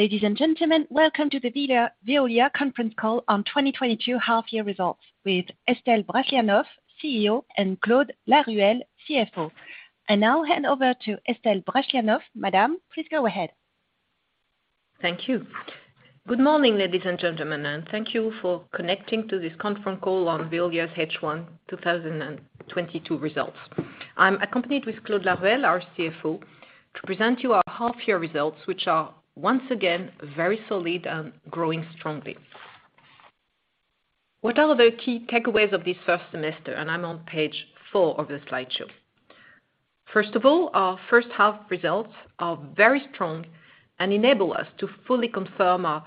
Ladies and gentlemen, welcome to the Veolia conference call on 2022 half-year results with Estelle Brachlianoff, CEO, and Claude Laruelle, CFO. I now hand over to Estelle Brachlianoff. Madame, please go ahead. Thank you. Good morning, ladies and gentlemen, and thank you for connecting to this conference call on Veolia's H1 2022 results. I'm accompanied with Claude Laruelle, our CFO, to present you our half year results, which are once again, very solid and growing strongly. What are the key takeaways of this first semester? I'm on page four of the slideshow. First of all, our first half results are very strong and enable us to fully confirm our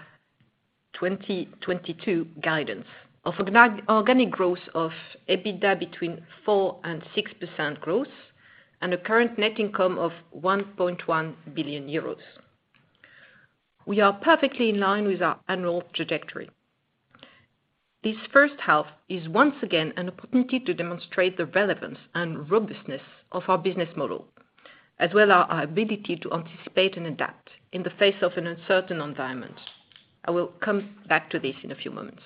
2022 guidance of an organic growth of EBITDA between 4% and 6% growth and a current net income of 1.1 billion euros. We are perfectly in line with our annual trajectory. This first half is once again an opportunity to demonstrate the relevance and robustness of our business model, as well as our ability to anticipate and adapt in the face of an uncertain environment. I will come back to this in a few moments.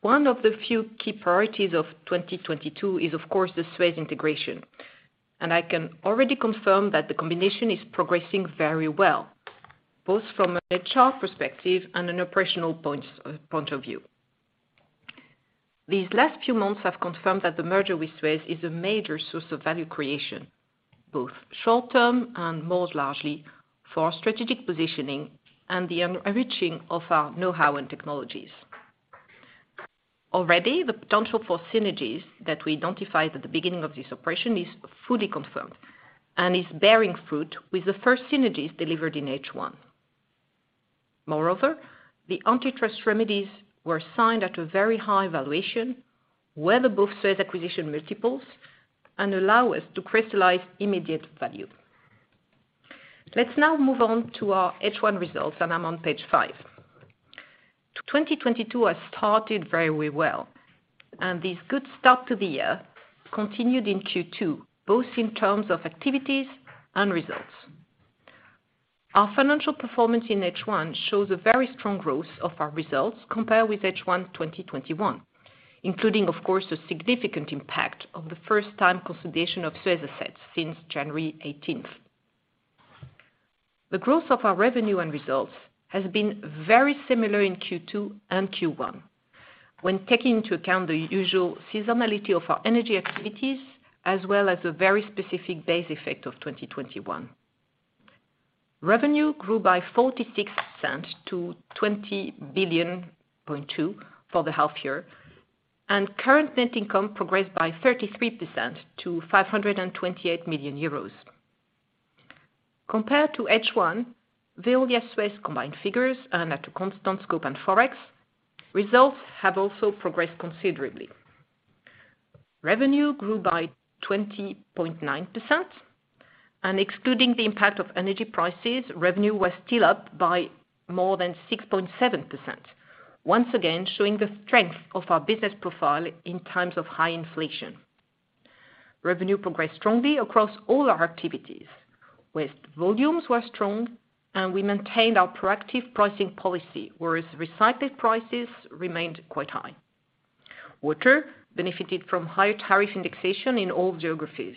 One of the few key priorities of 2022 is, of course, the Suez integration, and I can already confirm that the combination is progressing very well, both from an HR perspective and an operational point of view. These last few months have confirmed that the merger with Suez is a major source of value creation, both short-term and more largely for strategic positioning and the enriching of our know-how and technologies. Already, the potential for synergies that we identified at the beginning of this operation is fully confirmed and is bearing fruit with the first synergies delivered in H1. Moreover, the antitrust remedies were signed at a very high valuation, well above Suez acquisition multiples and allow us to crystallize immediate value. Let's now move on to our H1 results, and I'm on page five. 2022 has started very well, and this good start to the year continued in Q2, both in terms of activities and results. Our financial performance in H1 shows a very strong growth of our results compared with H1 2021, including, of course, the significant impact of the first time consolidation of Suez assets since January 18th. The growth of our revenue and results has been very similar in Q2 and Q1 when taking into account the usual seasonality of our energy activities, as well as a very specific base effect of 2021. Revenue grew by 46% to 20.2 billion for the half year, and current net income progressed by 33% to 528 million euros. Compared to H1, Veolia-Suez combined figures and at a constant scope and Forex, results have also progressed considerably. Revenue grew by 20.9%, and excluding the impact of energy prices, revenue was still up by more than 6.7%. Once again, showing the strength of our business profile in times of high inflation. Revenue progressed strongly across all our activities. Waste volumes were strong and we maintained our proactive pricing policy, whereas recycled prices remained quite high. Water benefited from higher tariff indexation in all geographies.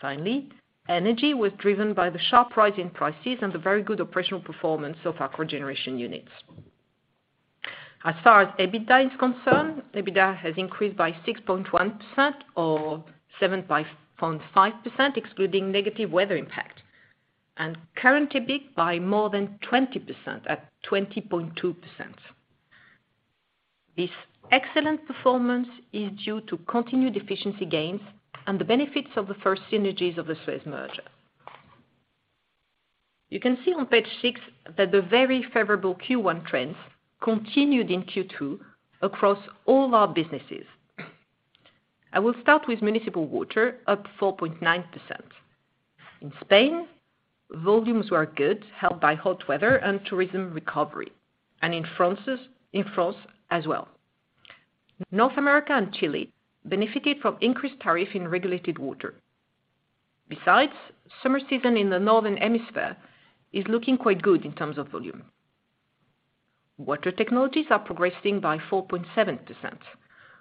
Finally, energy was driven by the sharp rise in prices and the very good operational performance of our cogeneration units. As far as EBITDA is concerned, EBITDA has increased by 6.1% or 7.5%, excluding negative weather impact, and current EBIT by more than 20% and 20.2%. This excellent performance is due to continued efficiency gains and the benefits of the first synergies of the Suez merger. You can see on page six that the very favorable Q1 trends continued in Q2 across all our businesses. I will start with municipal water, up 4.9%. In Spain, volumes were good, helped by hot weather and tourism recovery, and in France as well. North America and Chile benefited from increased tariff in regulated water. Besides, summer season in the northern hemisphere is looking quite good in terms of volume. Water technologies are progressing by 4.7%.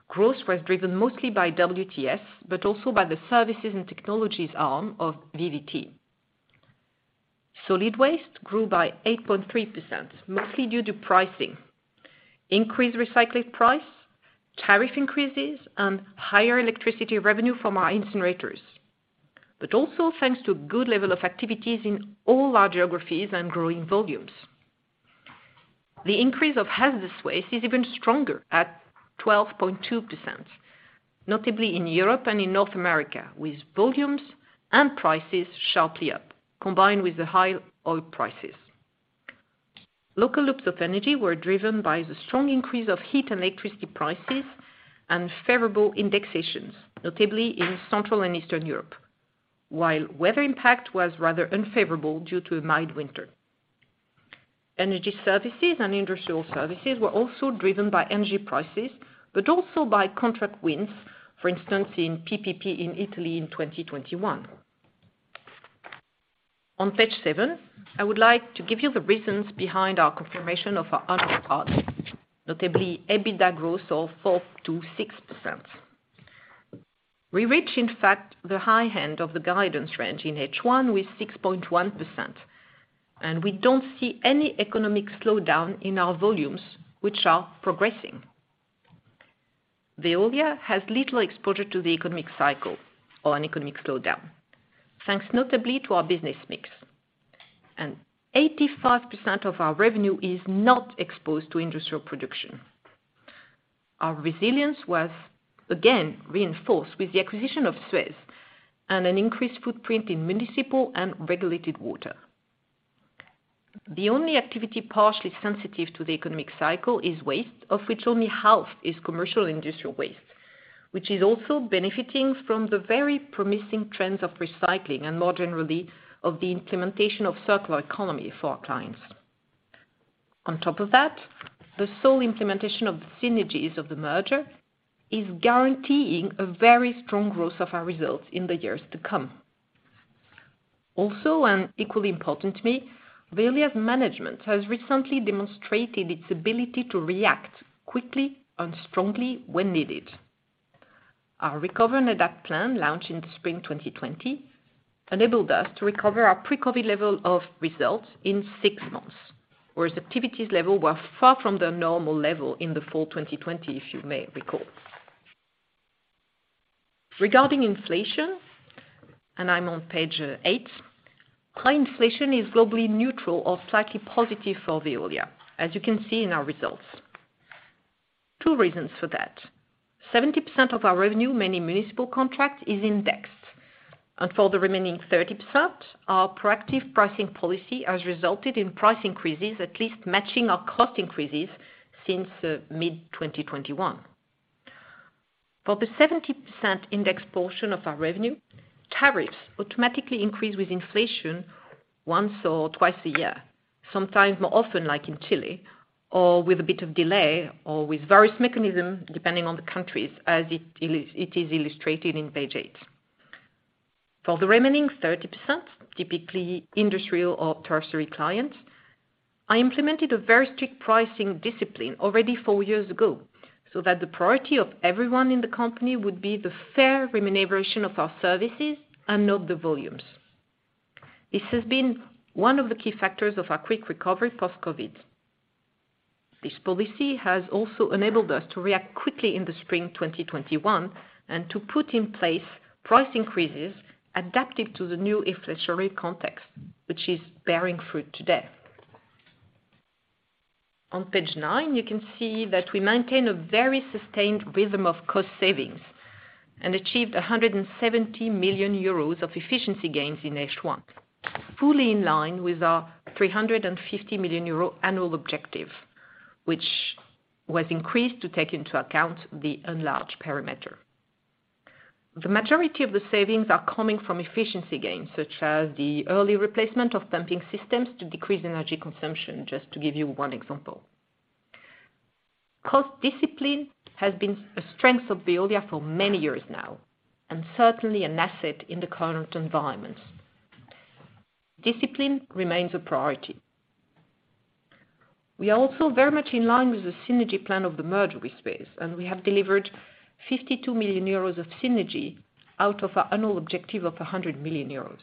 Growth was driven mostly by WTS, but also by the services and technologies arm of VVT. Solid waste grew by 8.3%, mostly due to pricing, increased recycling price, tariff increases, and higher electricity revenue from our incinerators, but also thanks to good level of activities in all our geographies and growing volumes. The increase of hazardous waste is even stronger at 12.2%, notably in Europe and in North America, with volumes and prices sharply up, combined with the high oil prices. Local loops of energy were driven by the strong increase of heat and electricity prices and favorable indexations, notably in Central and Eastern Europe. While weather impact was rather unfavorable due to a mild winter. Energy services and industrial services were also driven by energy prices, but also by contract wins, for instance, in PPP in Italy in 2021. On page seven, I would like to give you the reasons behind our confirmation of our outlook path, notably EBITDA growth of 4%-6%. We reach, in fact, the high end of the guidance range in H1 with 6.1%, and we don't see any economic slowdown in our volumes, which are progressing. Veolia has little exposure to the economic cycle or an economic slowdown, thanks notably to our business mix. 85% of our revenue is not exposed to industrial production. Our resilience was again reinforced with the acquisition of Suez and an increased footprint in municipal and regulated water. The only activity partially sensitive to the economic cycle is waste, of which only half is commercial industrial waste, which is also benefiting from the very promising trends of recycling and more generally, of the implementation of circular economy for our clients. On top of that, the sole implementation of the synergies of the merger is guaranteeing a very strong growth of our results in the years to come. Also, and equally important to me, Veolia's management has recently demonstrated its ability to react quickly and strongly when needed. Our Recover and Adapt plan, launched in spring 2020, enabled us to recover our pre-COVID level of results in six months, whereas activity levels were far from their normal level in the fall 2020, if you may recall. Regarding inflation, I'm on page eight, high inflation is globally neutral or slightly positive for Veolia, as you can see in our results. Two reasons for that. 70% of our revenue, mainly municipal contracts, is indexed. For the remaining 30%, our proactive pricing policy has resulted in price increases at least matching our cost increases since mid-2021. For the 70% index portion of our revenue, tariffs automatically increase with inflation once or twice a year, sometimes more often, like in Chile or with a bit of delay or with various mechanisms depending on the countries as it is illustrated in page eight. For the remaining 30%, typically industrial or tertiary clients, I implemented a very strict pricing discipline already four years ago, so that the priority of everyone in the company would be the fair remuneration of our services and not the volumes. This has been one of the key factors of our quick recovery post-COVID. This policy has also enabled us to react quickly in the spring 2021 and to put in place price increases adapted to the new inflationary context, which is bearing fruit today. On page nine, you can see that we maintain a very sustained rhythm of cost savings and achieved 170 million euros of efficiency gains in H1, fully in line with our 350 million euro annual objective, which was increased to take into account the enlarged perimeter. The majority of the savings are coming from efficiency gains, such as the early replacement of pumping systems to decrease energy consumption, just to give you one example. Cost discipline has been a strength of Veolia for many years now and certainly an asset in the current environment. Discipline remains a priority. We are also very much in line with the synergy plan of the merger with Suez, and we have delivered 52 million euros of synergy out of our annual objective of 100 million euros.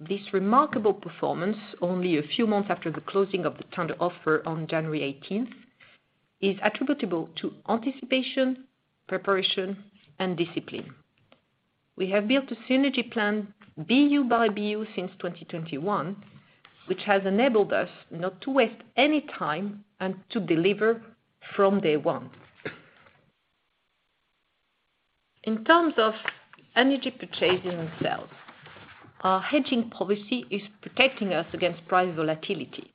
This remarkable performance, only a few months after the closing of the tender offer on Januar18th, is attributable to anticipation, preparation and discipline. We have built a synergy plan BU by BU since 2021, which has enabled us not to waste any time and to deliver from day one. In terms of energy purchasing itself, our hedging policy is protecting us against price volatility.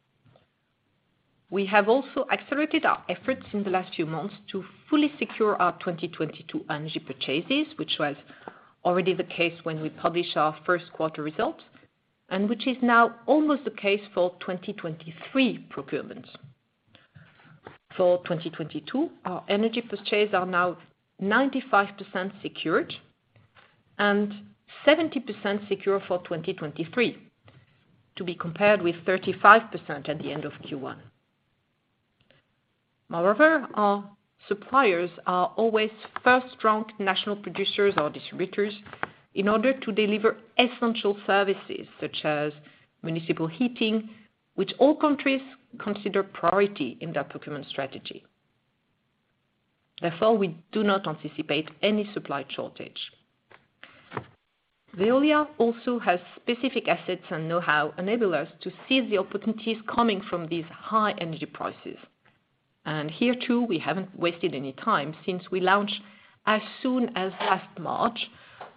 We have also accelerated our efforts in the last few months to fully secure our 2022 energy purchases, which was already the case when we published our first quarter results and which is now almost the case for 2023 procurement. For 2022, our energy purchases are now 95% secured and 70% secure for 2023, to be compared with 35% at the end of Q1. Moreover, our suppliers are always first-rank national producers or distributors in order to deliver essential services such as municipal heating, which all countries consider priority in their procurement strategy. Therefore, we do not anticipate any supply shortage. Veolia also has specific assets and know-how enable us to seize the opportunities coming from these high energy prices. Here too, we haven't wasted any time since we launched as soon as last March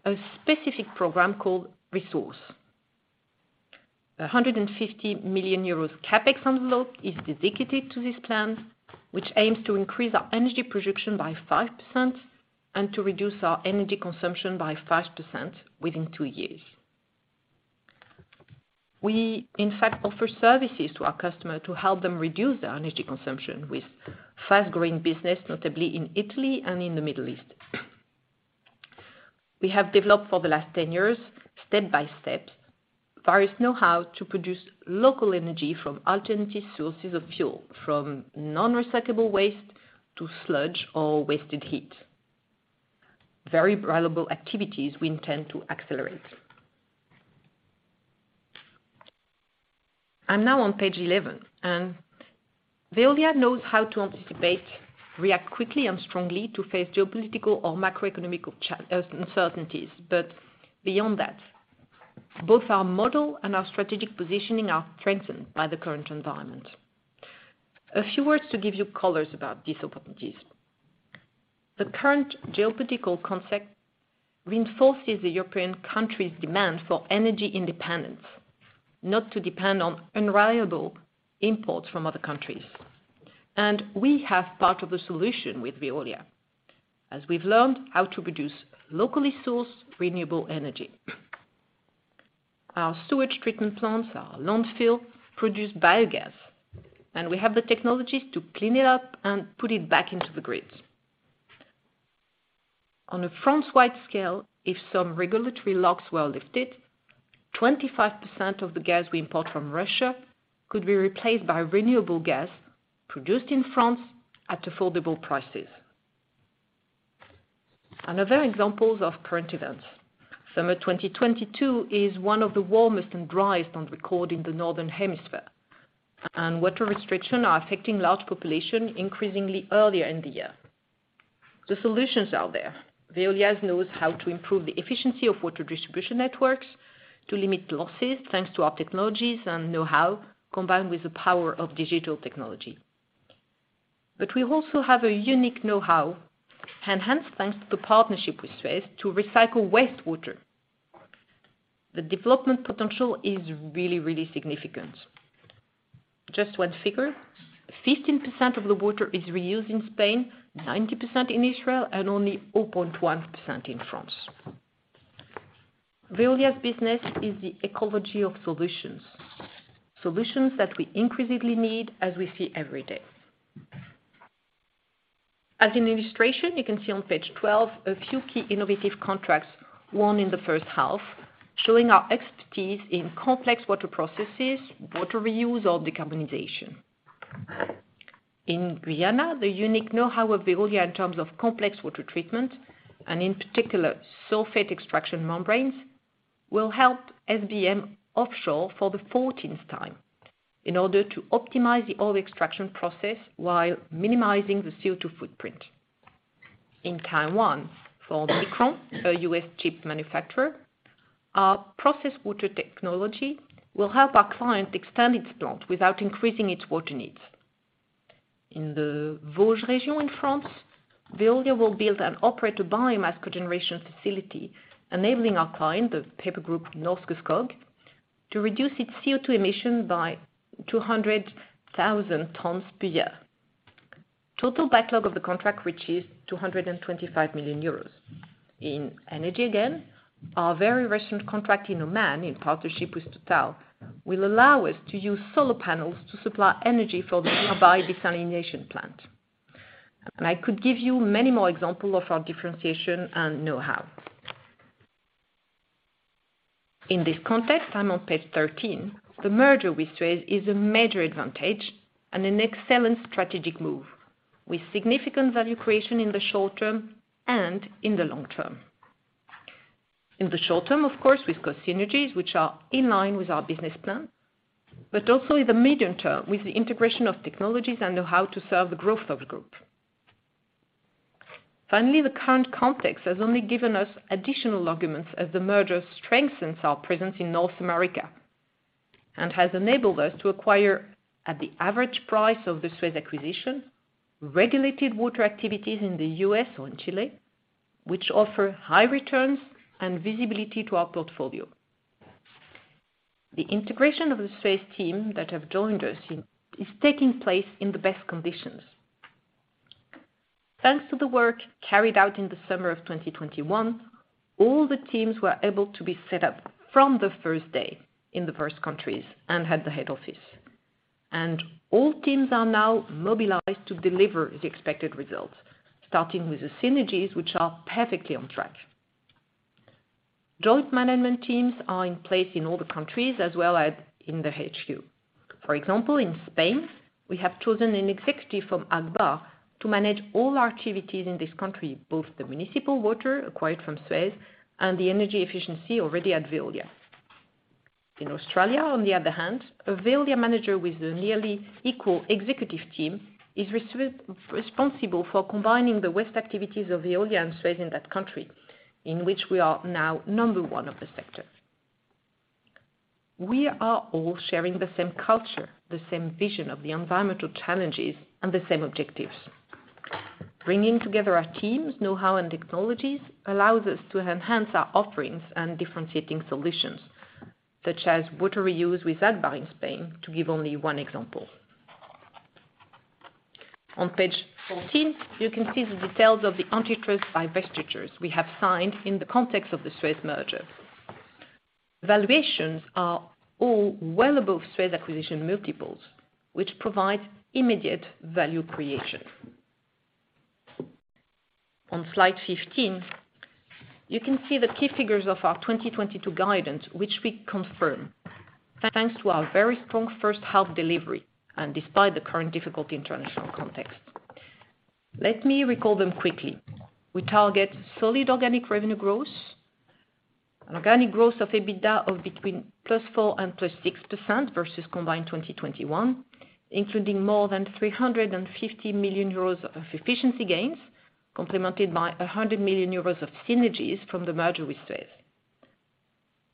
a specific program called ReSource. 150 million euros CapEx envelope is dedicated to these plans, which aims to increase our energy production by 5% and to reduce our energy consumption by 5% within two years. We in fact offer services to our customer to help them reduce their energy consumption with fast-growing business, notably in Italy and in the Middle East. We have developed for the last 10 years, step-by-step, various know-how to produce local energy from alternative sources of fuel, from non-recyclable waste to sludge or waste heat. Very valuable activities we intend to accelerate. I'm now on page 11. Veolia knows how to anticipate, react quickly and strongly to face geopolitical or macroeconomic uncertainties. Beyond that, both our model and our strategic positioning are strengthened by the current environment. A few words to give you colors about these opportunities. The current geopolitical context reinforces the European countries' demand for energy independence, not to depend on unreliable imports from other countries. We have part of the solution with Veolia, as we've learned how to produce locally sourced renewable energy. Our sewage treatment plants, our landfill, produce biogas, and we have the technologies to clean it up and put it back into the grids. On a France-wide scale, if some regulatory locks were lifted, 25% of the gas we import from Russia could be replaced by renewable gas produced in France at affordable prices. Other examples of current events. Summer 2022 is one of the warmest and driest on record in the Northern Hemisphere, and water restrictions are affecting large populations increasingly earlier in the year. The solutions are out there. Veolia knows how to improve the efficiency of water distribution networks to limit losses, thanks to our technologies and know-how, combined with the power of digital technology. We also have a unique know-how, enhanced thanks to the partnership with Suez, to recycle wastewater. The development potential is really, really significant. Just one figure: 15% of the water is reused in Spain, 90% in Israel, and only 0.1% in France. Veolia's business is the ecology of solutions that we increasingly need, as we see every day. As an illustration, you can see on page 12 a few key innovative contracts won in the first half, showing our expertise in complex water processes, water reuse or decarbonization. In Guyana, the unique know-how of Veolia in terms of complex water treatment, and in particular sulfate extraction membranes, will help SBM Offshore for the 14th time in order to optimize the oil extraction process while minimizing the CO₂ footprint. In Taiwan, for Micron, a U.S. chip manufacturer, our process water technology will help our client extend its plant without increasing its water needs. In the Vosges region in France, Veolia will build and operate a biomass cogeneration facility, enabling our client, the paper group Norske Skog, to reduce its CO₂ emission by 200,000 tons per year. Total backlog of the contract, which is 225 million euros. In energy again, our very recent contract in Oman, in partnership with TotalEnergies, will allow us to use solar panels to supply energy for the Duqm desalination plant. I could give you many more example of our differentiation and know-how. In this context, I'm on page 13. The merger with Suez is a major advantage and an excellent strategic move with significant value creation in the short term and in the long term. In the short term, of course, with cost synergies, which are in line with our business plan, but also in the medium term, with the integration of technologies and know-how to serve the growth of the group. Finally, the current context has only given us additional arguments as the merger strengthens our presence in North America and has enabled us to acquire, at the average price of the Suez acquisition, regulated water activities in the U.S. or in Chile, which offer high returns and visibility to our portfolio. The integration of the Suez team that have joined us is taking place in the best conditions. Thanks to the work carried out in the summer of 2021, all the teams were able to be set up from the first day in the first countries and at the head office. All teams are now mobilized to deliver the expected results, starting with the synergies which are perfectly on track. Joint management teams are in place in all the countries as well as in the HQ. For example, in Spain, we have chosen an executive from Agbar to manage all activities in this country, both the municipal water acquired from Suez and the energy efficiency already at Veolia. In Australia, on the other hand, a Veolia manager with a nearly equal executive team is responsible for combining the waste activities of Veolia and Suez in that country, in which we are now number one of the sector. We are all sharing the same culture, the same vision of the environmental challenges, and the same objectives. Bringing together our teams, know-how, and technologies allows us to enhance our offerings and differentiating solutions, such as water reuse with Advaris in Spain, to give only one example. On page 14, you can see the details of the antitrust divestitures we have signed in the context of the Suez merger. Valuations are all well above Suez acquisition multiples, which provide immediate value creation. On slide 15, you can see the key figures of our 2022 guidance, which we confirm. Thanks to our very strong first half delivery and despite the current difficult international context. Let me recall them quickly. We target solid organic revenue growth. Organic growth of EBITDA of between +4% and +6% versus combined 2021, including more than 350 million euros of efficiency gains, complemented by 100 million euros of synergies from the merger with Suez.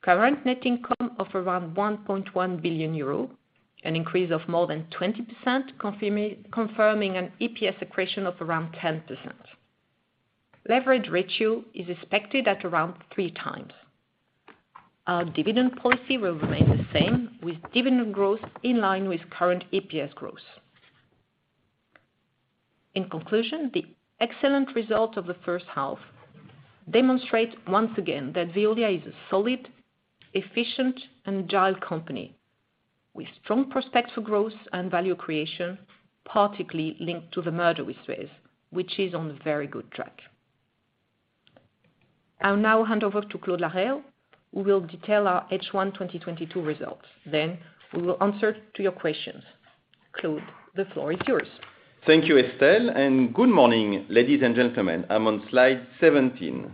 Current net income of around 1.1 billion euro, an increase of more than 20%, confirming an EPS accretion of around 10%. Leverage ratio is expected at around 3x. Our dividend policy will remain the same, with dividend growth in line with current EPS growth. In conclusion, the excellent result of the first half demonstrates once again that Veolia is a solid, efficient, agile company with strong prospects for growth and value creation, particularly linked to the merger with Suez, which is on a very good track. I'll now hand over to Claude Laruelle, who will detail our H1 2022 results. Then we will answer to your questions. Claude, the floor is yours. Thank you, Estelle, and good morning, ladies and gentlemen. I'm on slide 17.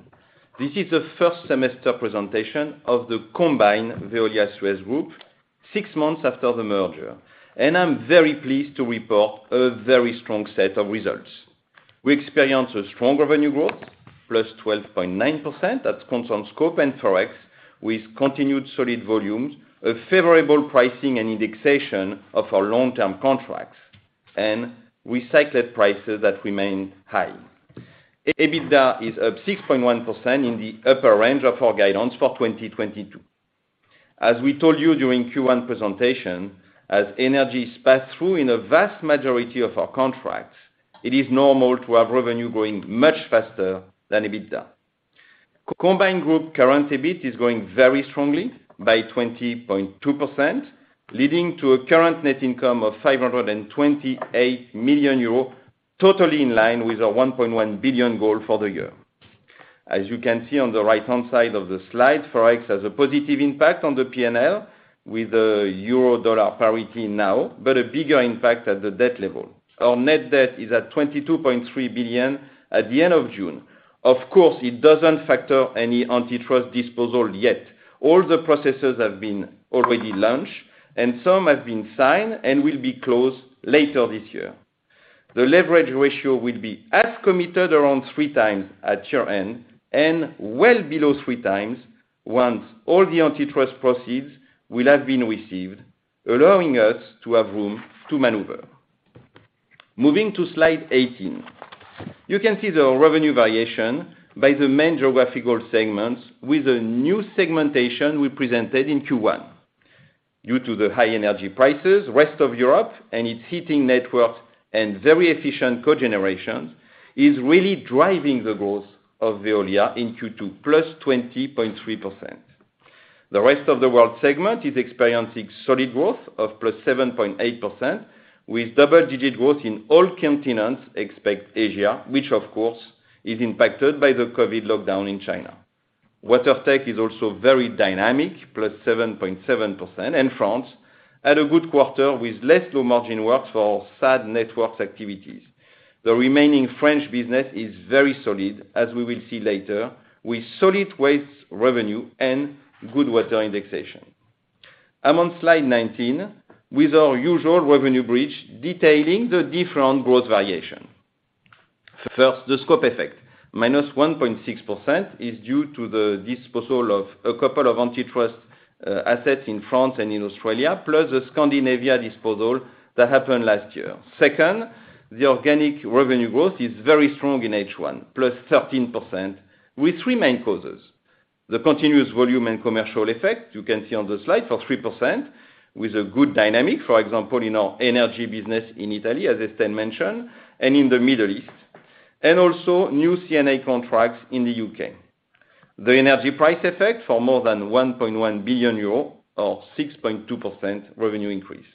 This is the first semester presentation of the combined Veolia-Suez group, six months after the merger, and I'm very pleased to report a very strong set of results. We experienced a strong revenue growth, +12.9%, that's constant scope and Forex, with continued solid volumes, a favorable pricing and indexation of our long-term contracts, and recycled prices that remain high. EBITDA is up 6.1% in the upper range of our guidance for 2022. As we told you during Q1 presentation, as energy pass-through in a vast majority of our contracts, it is normal to have revenue growing much faster than EBITDA. Combined group current EBIT is growing very strongly, by 20.2%, leading to a current net income of 528 million euros, totally in line with our 1.1 billion goal for the year. As you can see on the right-hand side of the slide, Forex has a positive impact on the P&L with a euro-dollar parity now, but a bigger impact at the debt level. Our Net Debt is at 22.3 billion at the end of June. Of course, it doesn't factor any antitrust disposal yet. All the processes have been already launched, and some have been signed and will be closed later this year. The leverage ratio will be as committed, around 3x at year-end, and well below 3x once all the antitrust proceeds will have been received, allowing us to have room to maneuver. Moving to slide 18. You can see the revenue variation by the main geographical segments with the new segmentation we presented in Q1. Due to the high energy prices, rest of Europe and its heating network and very efficient cogeneration is really driving the growth of Veolia in Q2, +20.3%. The rest of the world segment is experiencing solid growth of +7.8%, with double-digit growth in all continents except Asia, which of course, is impacted by the COVID lockdown in China. Water tech is also very dynamic, +7.7%, and France had a good quarter with less low-margin works for SADE networks activities. The remaining French business is very solid, as we will see later, with solid waste revenue and good water indexation. I'm on slide 19 with our usual revenue bridge detailing the different growth variation. First, the scope effect, -1.6%, is due to the disposal of a couple of antitrust assets in France and in Australia, plus a Scandinavia disposal that happened last year. Second, the organic revenue growth is very strong in H1, +13%, with three main causes. The continuous volume and commercial effect, you can see on the slide, for 3%, with a good dynamic, for example, in our energy business in Italy, as Estelle mentioned, and in the Middle East. Also new CMA contracts in the U.K. The energy price effect for more than 1.1 billion euros or 6.2% revenue increase.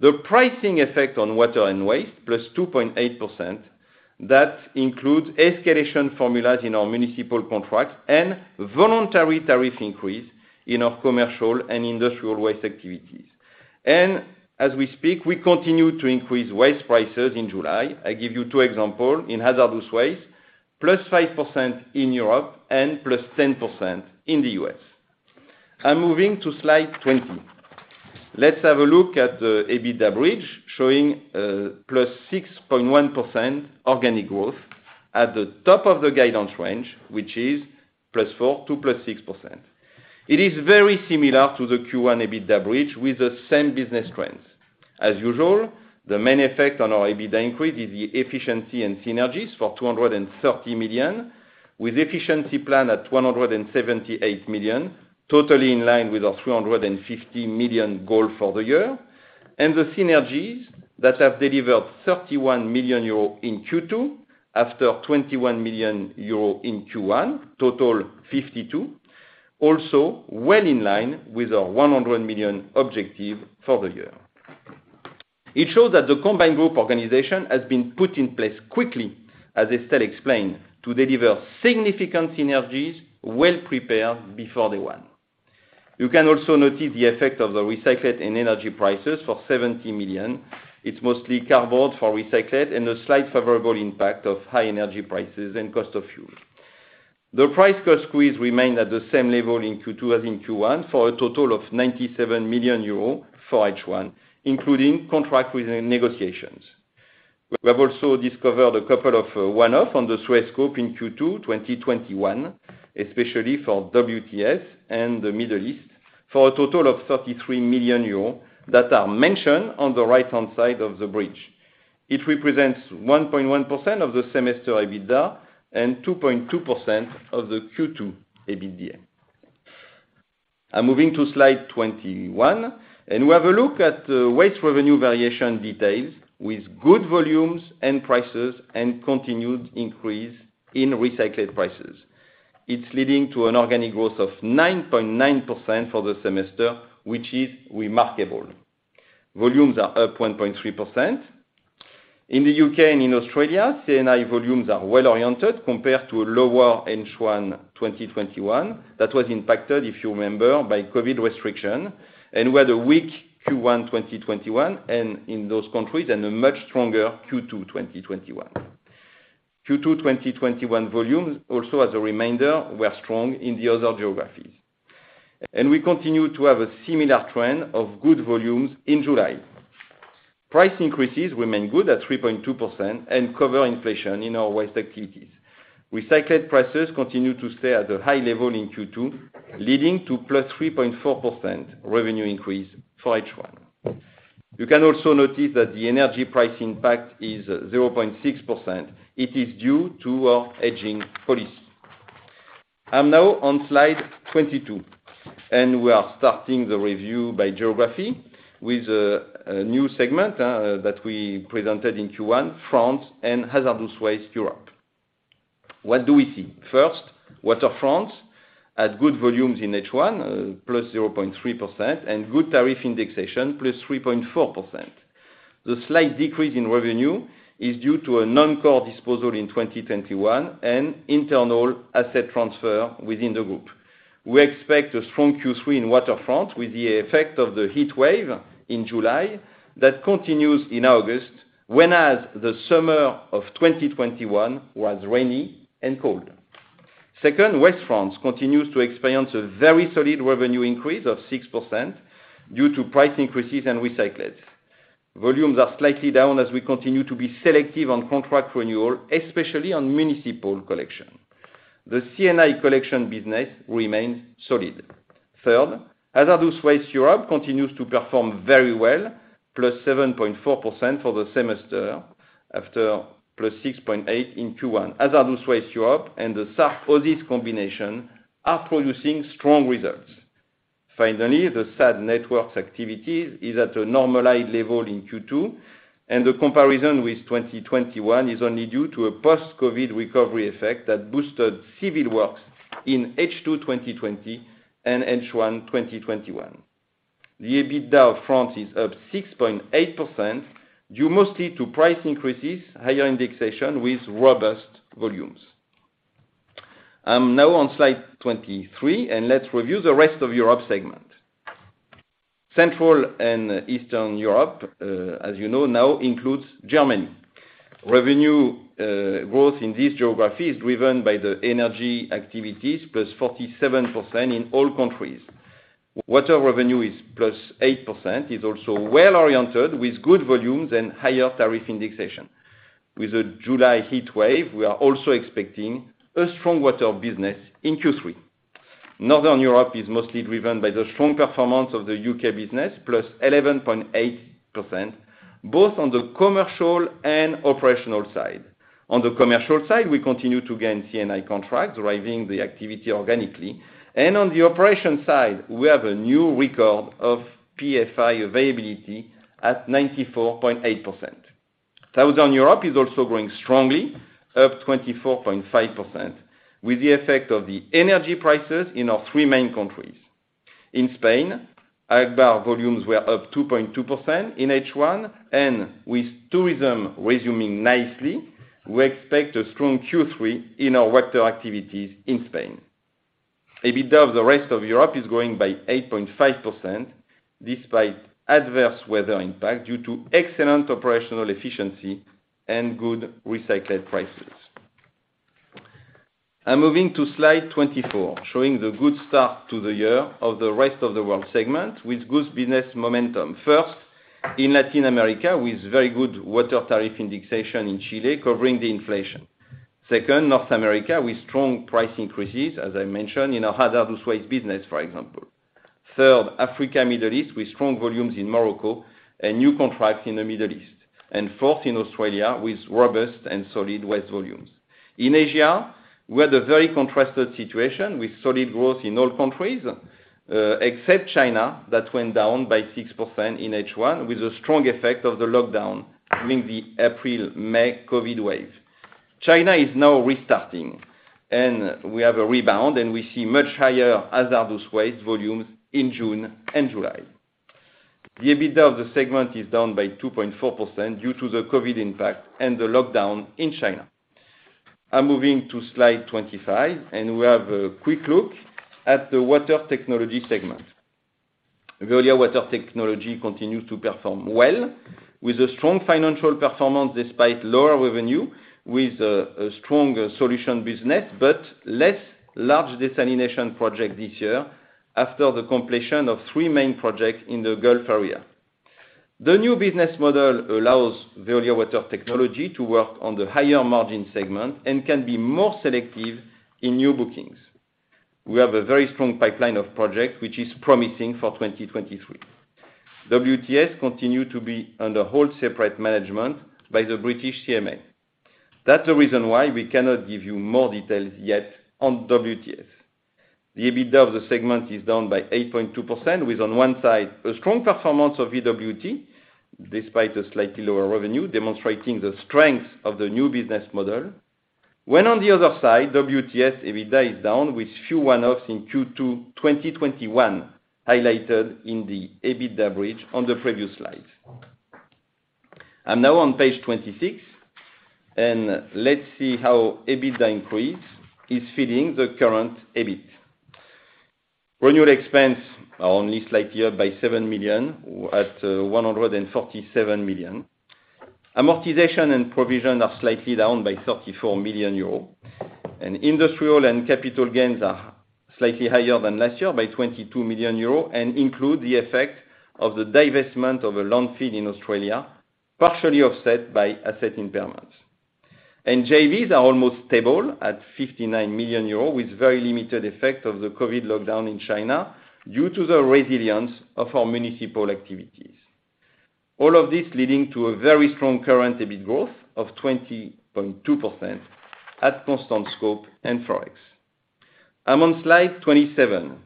The pricing effect on water and waste, +2.8%, that includes escalation formulas in our municipal contracts and voluntary tariff increase in our commercial and industrial waste activities. We continue to increase waste prices in July. I give you two examples. In hazardous waste, +5% in Europe and +10% in the U.S. I'm moving to slide 20. Let's have a look at the EBITDA bridge showing +6.1% organic growth at the top of the guidance range, which is +4% to +6%. It is very similar to the Q1 EBITDA bridge with the same business trends. As usual, the main effect on our EBITDA increase is the efficiency and synergies for 230 million, with efficiency plan at 178 million, totally in line with our 350 million goal for the year. The synergies that have delivered 31 million euro in Q2 after 21 million euro in Q1, total 52, also well in line with our 100 million objective for the year. It shows that the combined group organization has been put in place quickly, as Estelle explained, to deliver significant synergies well-prepared before the one. You can also notice the effect of the recyclates and energy prices for 70 million. It's mostly cardboard for recyclates and a slight favorable impact of high energy prices and cost of fuel. The price cost squeeze remained at the same level in Q2 as in Q1 for a total of 97 million euros for H1, including contract within negotiations. We have also discovered a couple of one-off on the waste scope in Q2 2021, especially for WTS and the Middle East, for a total of 33 million euros that are mentioned on the right-hand side of the bridge. It represents 1.1% of the semester EBITDA and 2.2% of the Q2 EBITDA. I'm moving to slide 21, and we have a look at the waste revenue variation details with good volumes and prices and continued increase in recycled prices. It's leading to an organic growth of 9.9% for the semester, which is remarkable. Volumes are up 1.3%. In the U.K. and in Australia, C&I volumes are well-oriented compared to a lower H1 2021. That was impacted, if you remember, by COVID restriction, and we had a weak Q1 2021, and in those countries, and a much stronger Q2 2021. Q2 2021 volumes also, as a reminder, were strong in the other geographies. We continue to have a similar trend of good volumes in July. Price increases remain good at 3.2% and cover inflation in our waste activities. Recycled prices continue to stay at a high level in Q2, leading to +3.4% revenue increase for H1. You can also notice that the energy price impact is 0.6%. It is due to our hedging policy. I'm now on slide 22, and we are starting the review by geography with a new segment that we presented in Q1, France and Hazardous Waste Europe. What do we see? First, Water France had good volumes in H1, +0.3%, and good tariff indexation, +3.4%. The slight decrease in revenue is due to a non-core disposal in 2021 and internal asset transfer within the group. We expect a strong Q3 in Water France with the effect of the heat wave in July that continues in August, whereas the summer of 2021 was rainy and cold. Second, Waste France continues to experience a very solid revenue increase of 6% due to price increases in recyclates. Volumes are slightly down as we continue to be selective on contract renewal, especially on municipal collection. The C&I collection business remains solid. Third, Hazardous Waste Europe continues to perform very well, +7.4% for the semester after +6.8% in Q1. Hazardous Waste Europe and the Suez combination are producing strong results. Finally, the SADE Networks activity is at a normalized level in Q2, and the comparison with 2021 is only due to a post-COVID recovery effect that boosted civil works in H2 2020 and H1 2021. The EBITDA of France is up 6.8% due mostly to price increases, higher indexation with robust volumes. I'm now on slide 23, and let's review the rest of Europe segment. Central and Eastern Europe, as you know, now includes Germany. Revenue growth in this geography is driven by the energy activities, +47% in all countries. Water revenue is +8%, is also well-oriented with good volumes and higher tariff indexation. With the July heat wave, we are also expecting a strong water business in Q3. Northern Europe is mostly driven by the strong performance of the U.K. Business, +11.8%, both on the commercial and operational side. On the commercial side, we continue to gain C&I contracts, driving the activity organically. On the operational side, we have a new record of PFI availability at 94.8%. Southern Europe is also growing strongly, up 24.5%, with the effect of the energy prices in our three main countries. In Spain, Agbar volumes were up 2.2% in H1, and with tourism resuming nicely, we expect a strong Q3 in our water activities in Spain. EBITDA of the rest of Europe is growing by 8.5% despite adverse weather impact due to excellent operational efficiency and good recycled prices. I'm moving to slide 24, showing the good start to the year of the rest of the world segment with good business momentum. First, in Latin America, with very good water tariff indexation in Chile covering the inflation. Second, North America, with strong price increases, as I mentioned, in our hazardous waste business, for example. Third, Africa, Middle East, with strong volumes in Morocco and new contracts in the Middle East. Fourth, in Australia, with robust and solid waste volumes. In Asia, we had a very contrasted situation with solid growth in all countries, except China, that went down by 6% in H1 with a strong effect of the lockdown during the April/May COVID wave. China is now restarting, and we have a rebound, and we see much higher hazardous waste volumes in June and July. The EBITDA of the segment is down by 2.4% due to the COVID impact and the lockdown in China. I'm moving to slide 25, and we have a quick look at the water technology segment. Veolia Water Technologies continues to perform well with a strong financial performance despite lower revenue with a strong solution business, but less large desalination project this year after the completion of three main projects in the Gulf area. The new business model allows Veolia Water Technologies to work on the higher margin segment and can be more selective in new bookings. We have a very strong pipeline of projects which is promising for 2023. WTS continue to be under wholly separate management by the British CMA. That's the reason why we cannot give you more details yet on WTS. The EBITDA of the segment is down by 8.2% with on one side a strong performance of EWT despite a slightly lower revenue, demonstrating the strength of the new business model. When on the other side, WTS EBITDA is down with few one-offs in Q2 2021, highlighted in the EBITDA bridge on the previous slide. I'm now on page 26, and let's see how EBITDA increase is feeding the current EBIT. Renewal expense are only slightly up by 7 million at 147 million. Amortization and provision are slightly down by 34 million euros. Industrial and capital gains are slightly higher than last year by 22 million euros and include the effect of the divestment of a landfill in Australia, partially offset by asset impairments. JVs are almost stable at 59 million euros, with very limited effect of the COVID lockdown in China due to the resilience of our municipal activities. All of this leading to a very strong current EBIT growth of 20.2% at constant scope and Forex. I'm on slide 27,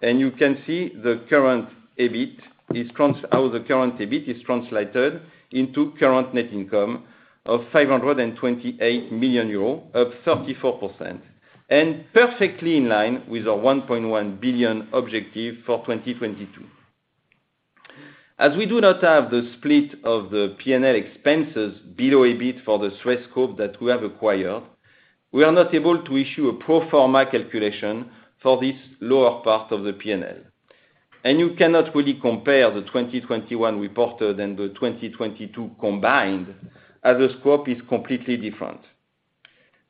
and you can see how the current EBIT is translated into current net income of 528 million euros, up 34%, and perfectly in line with our 1.1 billion objective for 2022. As we do not have the split of the P&L expenses below EBIT for the SUEZ scope that we have acquired, we are not able to issue a pro forma calculation for this lower part of the P&L. You cannot really compare the 2021 reported and the 2022 combined as the scope is completely different.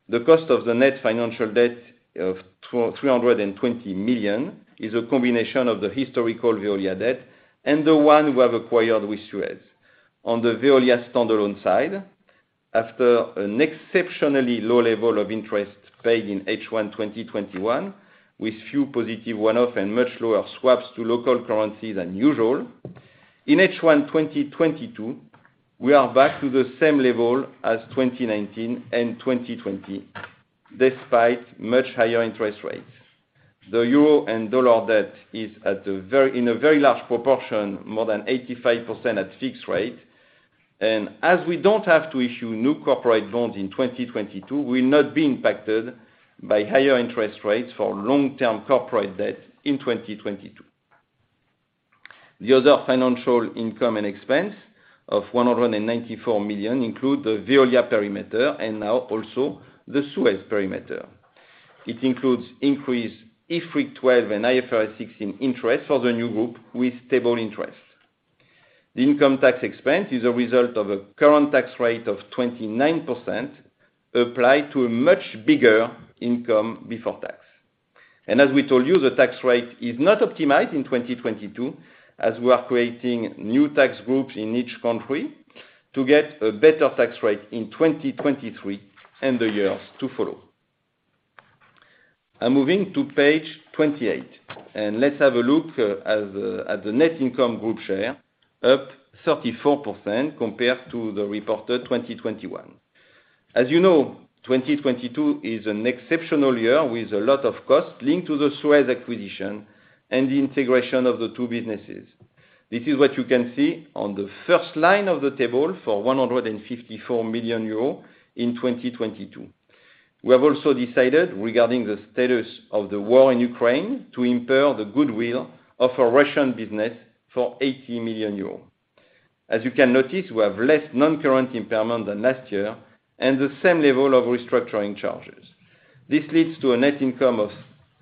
The cost of the net financial debt of 320 million is a combination of the historical Veolia debt and the one we have acquired with Suez. On the Veolia standalone side, after an exceptionally low level of interest paid in H1 2021, with few positive one-off and much lower swaps to local currency than usual, in H1 2022, we are back to the same level as 2019 and 2020, despite much higher interest rates. The euro and dollar debt is at a very, in a very large proportion, more than 85% at fixed rate. As we don't have to issue new corporate loans in 2022, we'll not be impacted by higher interest rates for long-term corporate debt in 2022. The other financial income and expense of 194 million include the Veolia perimeter and now also the Suez perimeter. It includes increased IFRIC 12 and IFRS 16 interest for the new group with stable interest. The income tax expense is a result of a current tax rate of 29% applied to a much bigger income before tax. As we told you, the tax rate is not optimized in 2022, as we are creating new tax groups in each country to get a better tax rate in 2023 and the years to follow. I'm moving to page 28, and let's have a look at the net income group share, up 34% compared to the reported 2021. As you know, 2022 is an exceptional year with a lot of costs linked to the Suez acquisition and the integration of the two businesses. This is what you can see on the first line of the table for 154 million euros in 2022. We have also decided, regarding the status of the war in Ukraine, to impair the goodwill of our Russian business for 80 million euros. As you can notice, we have less non-current impairment than last year and the same level of restructuring charges. This leads to a net income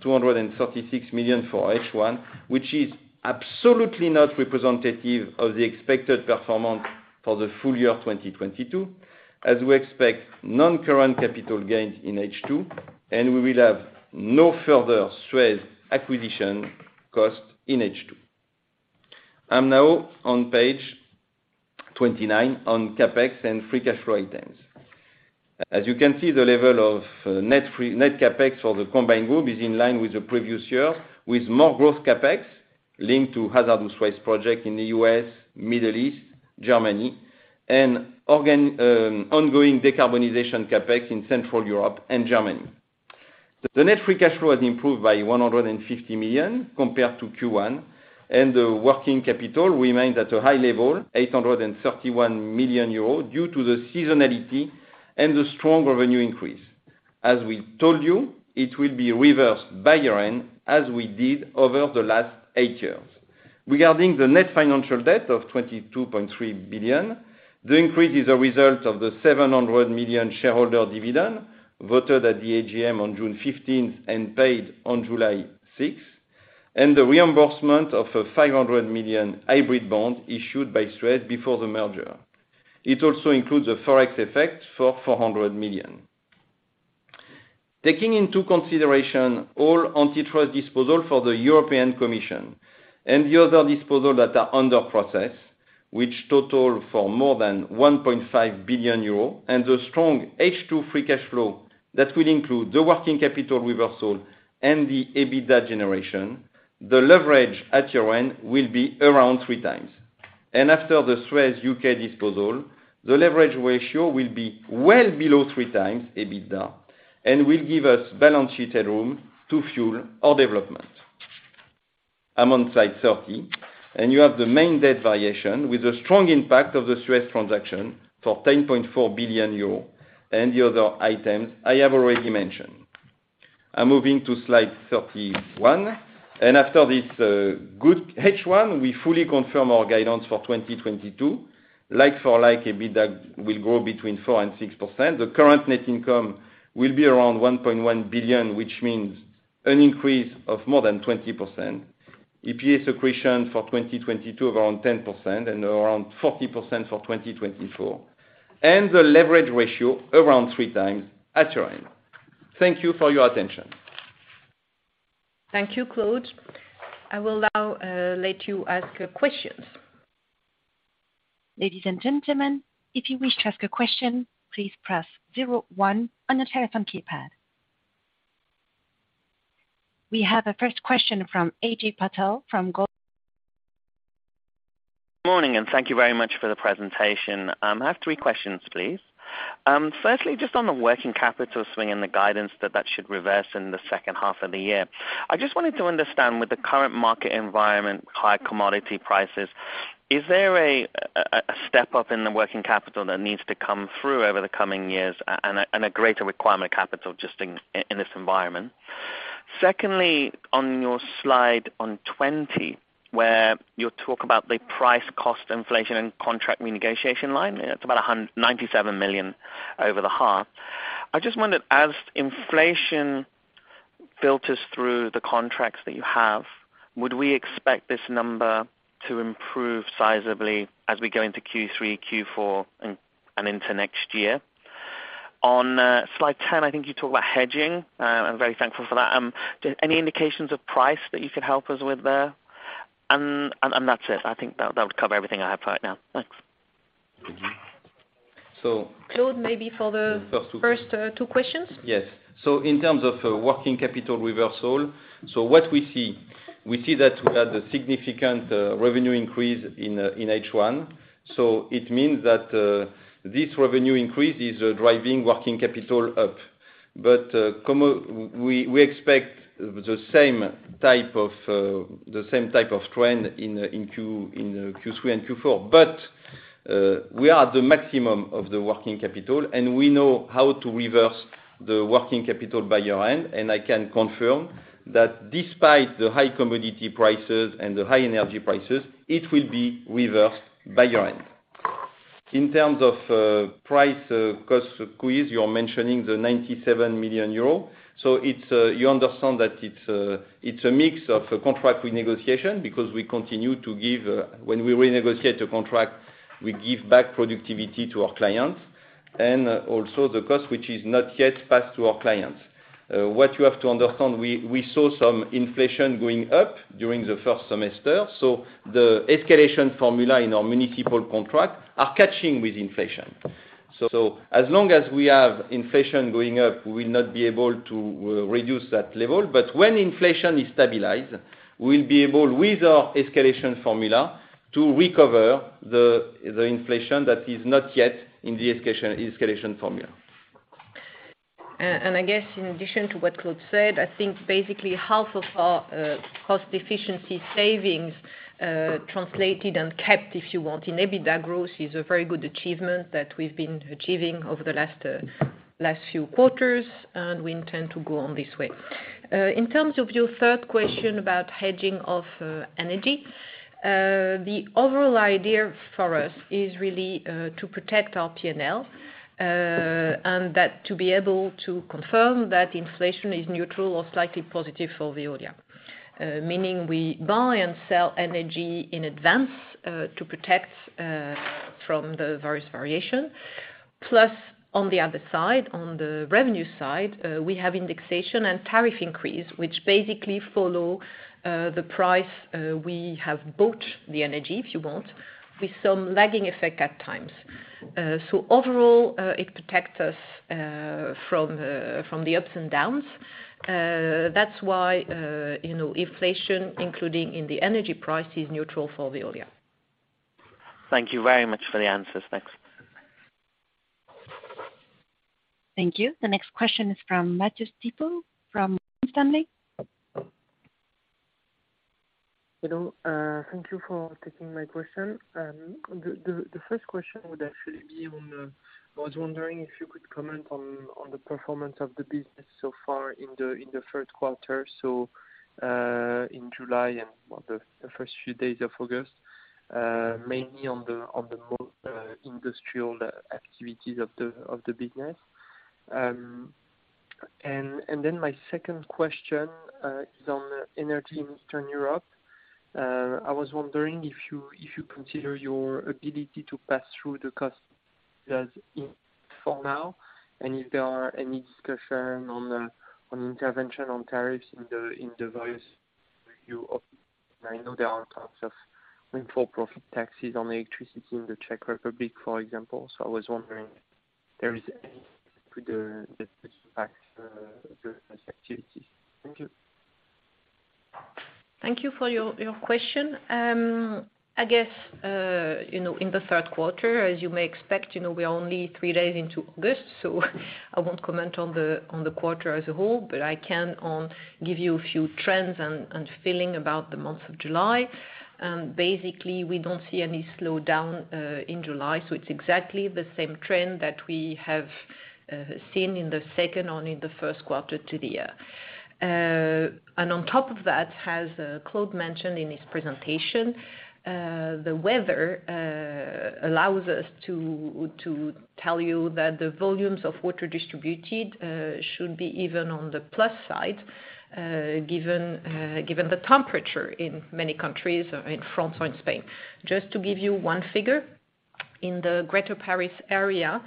of 236 million for H1, which is absolutely not representative of the expected performance for the full year 2022, as we expect non-current capital gains in H2, and we will have no further Suez acquisition costs in H2. I'm now on page 29 on CapEx and free cash flow items. As you can see, the level of net CapEx for the combined group is in line with the previous year, with more growth CapEx linked to hazardous waste project in the U.S., Middle East, Germany, and ongoing decarbonization CapEx in Central Europe and Germany. The net free cash flow has improved by 150 million compared to Q1, and the working capital remains at a high level, 831 million euros, due to the seasonality and the strong revenue increase. As we told you, it will be reversed by year-end, as we did over the last eight years. Regarding the net financial debt of 22.3 billion, the increase is a result of the 700 million shareholder dividend voted at the AGM on June 15th and paid on July 6th, and the reimbursement of a 500 million hybrid bond issued by Suez before the merger. It also includes a Forex effect for 400 million. Taking into consideration all antitrust disposal for the European Commission and the other disposal that are under process, which total for more than 1.5 billion euros, and the strong H2 free cash flow that will include the working capital reversal and the EBITDA generation, the leverage at year-end will be around 3x. After the Suez UK disposal, the leverage ratio will be well below 3x EBITDA and will give us balance sheet headroom to fuel our development. I'm on slide 30, and you have the main debt variation with a strong impact of the Suez transaction for 10.4 billion euros and the other items I have already mentioned. I'm moving to slide 31. After this good H1, we fully confirm our guidance for 2022. Like-for-like, EBITDA will grow between 4%-6%. The current net income will be around 1.1 billion, which means an increase of more than 20%. EPS accretion for 2022 around 10% and around 40% for 2024. The leverage ratio around 3x at year-end. Thank you for your attention. Thank you, Claude. I will now let you ask questions. Ladies and gentlemen, if you wish to ask a question, please press zero one on your telephone keypad. We have a first question from Ajay Patel from Goldman Sachs. Morning, thank you very much for the presentation. I have three questions please. Firstly, just on the working capital swing and the guidance that that should reverse in the second half of the year. I just wanted to understand with the current market environment, high commodity prices, is there a step up in the working capital that needs to come through over the coming years and a greater requirement of capital just in this environment? Secondly, on your slide on 20, where you talk about the price cost inflation and contract renegotiation line, it's about 97 million over the half. I just wondered, as inflation filters through the contracts that you have, would we expect this number to improve sizably as we go into Q3, Q4, and into next year? On slide 10, I think you talk about hedging. I'm very thankful for that. Just any indications of price that you could help us with there? That's it. I think that would cover everything I have for right now. Thanks. So. Claude, maybe for the. First two. First, two questions. Yes. In terms of working capital reversal, what we see is that we had a significant revenue increase in H1. It means that this revenue increase is driving working capital up. We expect the same type of trend in Q3 and Q4. We are at the maximum of the working capital, and we know how to reverse the working capital by year-end, and I can confirm that despite the high commodity prices and the high energy prices, it will be reversed by year-end. In terms of price cost squeeze, you're mentioning the 97 million euro. You understand that it's a mix of a contract renegotiation because we continue to give, when we renegotiate a contract, we give back productivity to our clients, and also the cost which is not yet passed to our clients. What you have to understand, we saw some inflation going up during the first semester, so the escalation formula in our municipal contract is catching up with inflation. As long as we have inflation going up, we'll not be able to reduce that level. When inflation is stabilized, we'll be able, with our escalation formula, to recover the inflation that is not yet in the escalation formula. I guess in addition to what Claude said, I think basically half of our cost efficiency savings translated and kept, if you want, in EBITDA growth is a very good achievement that we've been achieving over the last few quarters, and we intend to go on this way. In terms of your third question about hedging of energy, the overall idea for us is really to protect our P&L, and that to be able to confirm that inflation is neutral or slightly positive for Veolia. Meaning we buy and sell energy in advance to protect from the various variation. Plus on the other side, on the revenue side, we have indexation and tariff increase, which basically follow the price we have bought the energy, if you want, with some lagging effect at times. Overall, it protects us from the ups and downs. That's why, you know, inflation, including in the energy price, is neutral for Veolia. Thank you very much for the answers. Thanks. Thank you. The next question is from Arthur Sitbon from Morgan Stanley. Hello. Thank you for taking my question. The first question would actually be on, I was wondering if you could comment on the performance of the business so far in the third quarter? In July and, well, the first few days of August, mainly on the more industrial activities of the business. Then my second question is on energy in Eastern Europe. I was wondering if you consider your ability to pass through the cost as in, for now, and if there are any discussion on intervention on tariffs in the various review of? I know there are talks of windfall profit taxes on electricity in the Czech Republic, for example. I was wondering if there is any to the tax business activities. Thank you. Thank you for your question. I guess, you know, in the third quarter, as you may expect, you know, we're only three days into August, so I won't comment on the quarter as a whole. I can give you a few trends and feeling about the month of July. Basically, we don't see any slowdown in July, so it's exactly the same trend that we have seen in the second and in the first quarter of the year. On top of that, as Claude mentioned in his presentation, the weather allows us to tell you that the volumes of water distributed should be even on the plus side, given the temperature in many countries, in France or in Spain. Just to give you one figure, in the Greater Paris area,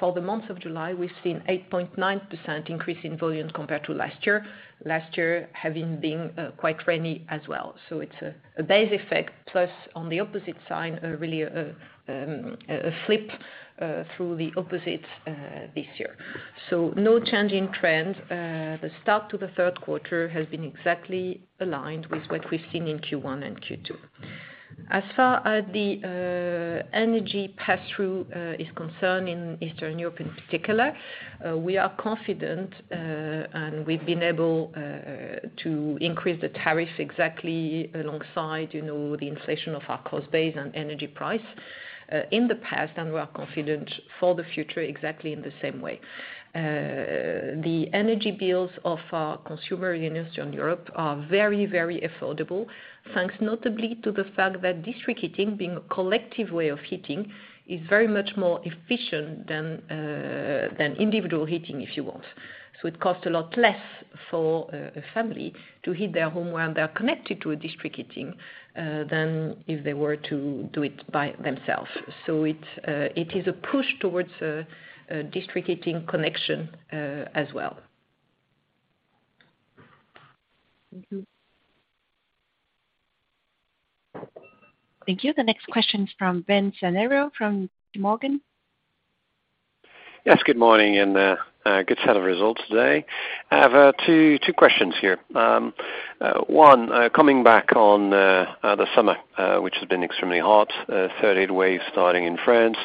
for the month of July, we've seen 8.9% increase in volume compared to last year, last year having been quite rainy as well. It's a base effect plus, on the opposite side, a really a flip to the opposite this year. No change in trend. The start to the third quarter has been exactly aligned with what we've seen in Q1 and Q2. As far as the energy pass-through is concerned in Eastern Europe in particular, we are confident, and we've been able to increase the tariff exactly alongside, you know, the inflation of our cost base and energy price in the past, and we are confident for the future exactly in the same way. The energy bills of our consumer units in Europe are very, very affordable, thanks notably to the fact that district heating, being a collective way of heating, is very much more efficient than individual heating, if you want. It costs a lot less for a family to heat their home when they are connected to a district heating than if they were to do it by themselves. It is a push towards a district heating connection as well. Thank you. Thank you. The next question is from Vincent Ayral from JPMorgan. Yes, good morning, and good set of results today. I have two questions here. One coming back on the summer which has been extremely hot, third heatwave starting in France.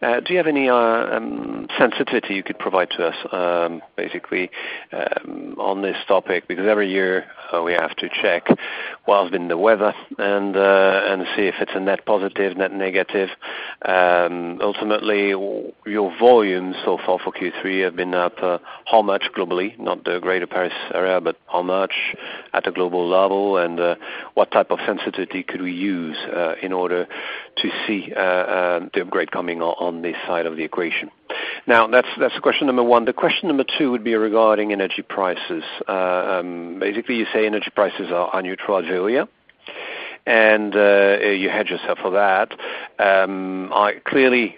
Do you have any sensitivity you could provide to us, basically, on this topic? Because every year we have to check what has been the weather and see if it's a net positive, net negative. Ultimately, your volumes so far for Q3 have been up how much globally? Not the Greater Paris area, but how much at a global level? What type of sensitivity could we use in order to see the upgrade coming on this side of the equation? Now, that's question number one. The question number two would be regarding energy prices. Basically you say energy prices are neutral to Veolia. You hedge yourself for that. I clearly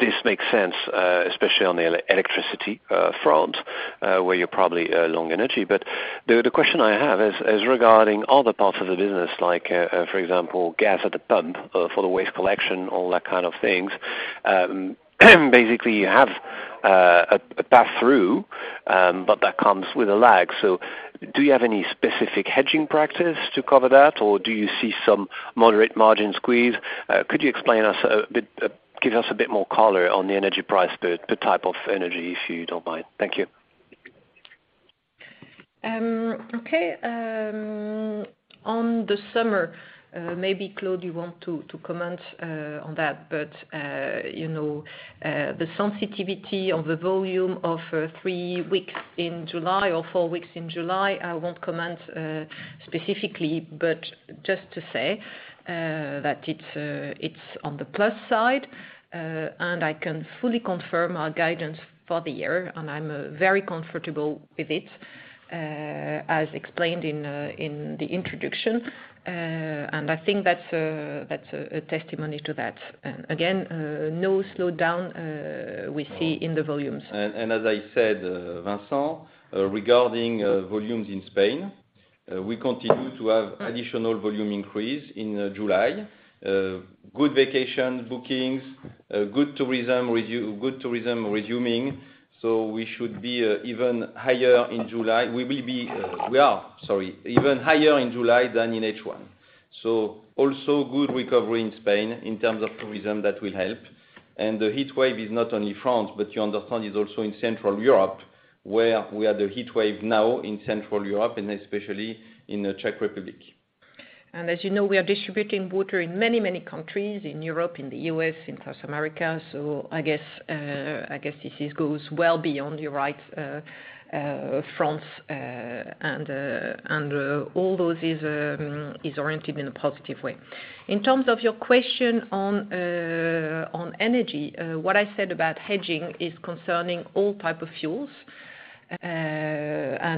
this makes sense, especially on the electricity front, where you're probably long energy. The question I have is regarding other parts of the business, like, for example, gas at the pump for the waste collection, all that kind of things. Basically, you have a pass-through, but that comes with a lag. Do you have any specific hedging practice to cover that, or do you see some moderate margin squeeze? Could you explain us a bit, give us a bit more color on the energy price per type of energy, if you don't mind? Thank you. Okay. On the summer, maybe Claude you want to comment on that. You know, the sensitivity of the volume of three weeks in July or 4 weeks in July, I won't comment specifically, but just to say that it's on the plus side. I can fully confirm our guidance for the year, and I'm very comfortable with it, as explained in the introduction. I think that's a testimony to that. Again, no slowdown we see in the volumes. As I said, Vincent, regarding volumes in Spain, we continue to have additional volume increase in July. Good vacation bookings, good tourism resuming, so we should be even higher in July. We are even higher in July than in H1. Also good recovery in Spain in terms of tourism that will help. The heat wave is not only France, but you understand it's also in Central Europe, where we have the heat wave now in Central Europe and especially in the Czech Republic. As you know, we are distributing water in many, many countries, in Europe, in the U.S., in South America. I guess this is goes well beyond your right, France, and all those is oriented in a positive way. In terms of your question on energy, what I said about hedging is concerning all type of fuels.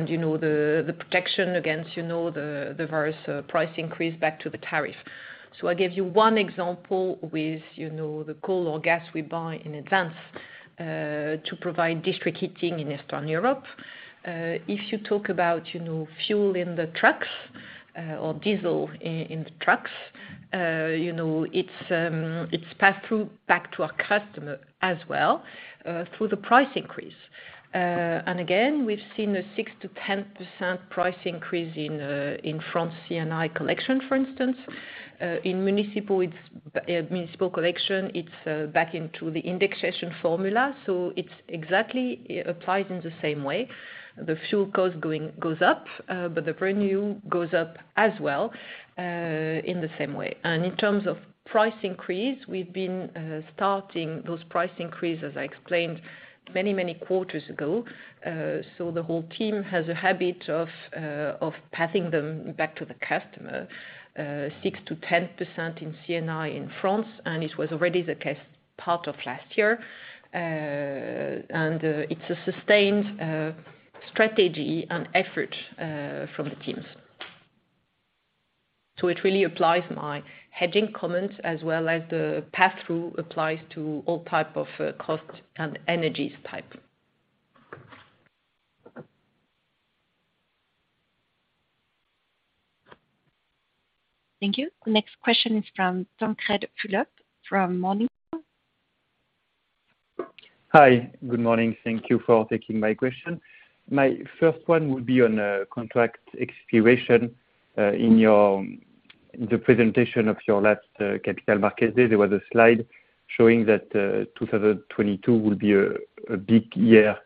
You know, the protection against, you know, the various price increase back to the tariff. I gave you one example with, you know, the coal or gas we buy in advance to provide district heating in Eastern Europe. If you talk about, you know, fuel in the trucks, or diesel in the trucks, you know, it's passed through back to our customer as well, through the price increase. Again, we've seen a 6%-10% price increase in France C&I collection, for instance. In municipal, it's municipal collection, it's back into the indexation formula. It's exactly, it applies in the same way. The fuel cost goes up, but the premium goes up as well, in the same way. In terms of price increase, we've been starting those price increases, I explained many, many quarters ago. The whole team has a habit of passing them back to the customer 6%-10% in C&I in France, and it was already the case part of last year. It's a sustained strategy and effort from the teams. It really applies my hedging comments as well as the pass-through applies to all type of cost and energies type. Thank you. Next question is from Tancrède Fulop from Morningstar. Hi. Good morning. Thank you for taking my question. My first one would be on contract expiration. In the presentation of your last capital market day, there was a slide showing that 2022 would be a big year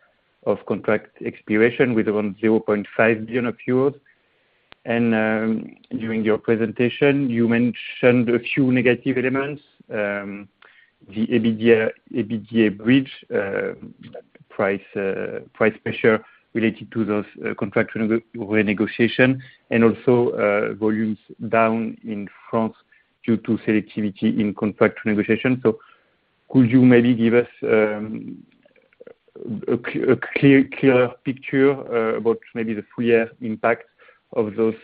of contract expiration with around 0.5 billion euros. During your presentation, you mentioned a few negative elements, the EBITDA bridge price pressure related to those contract renegotiation and also volumes down in France due to selectivity in contract negotiation. Could you maybe give us a clearer picture about maybe the full year impact of those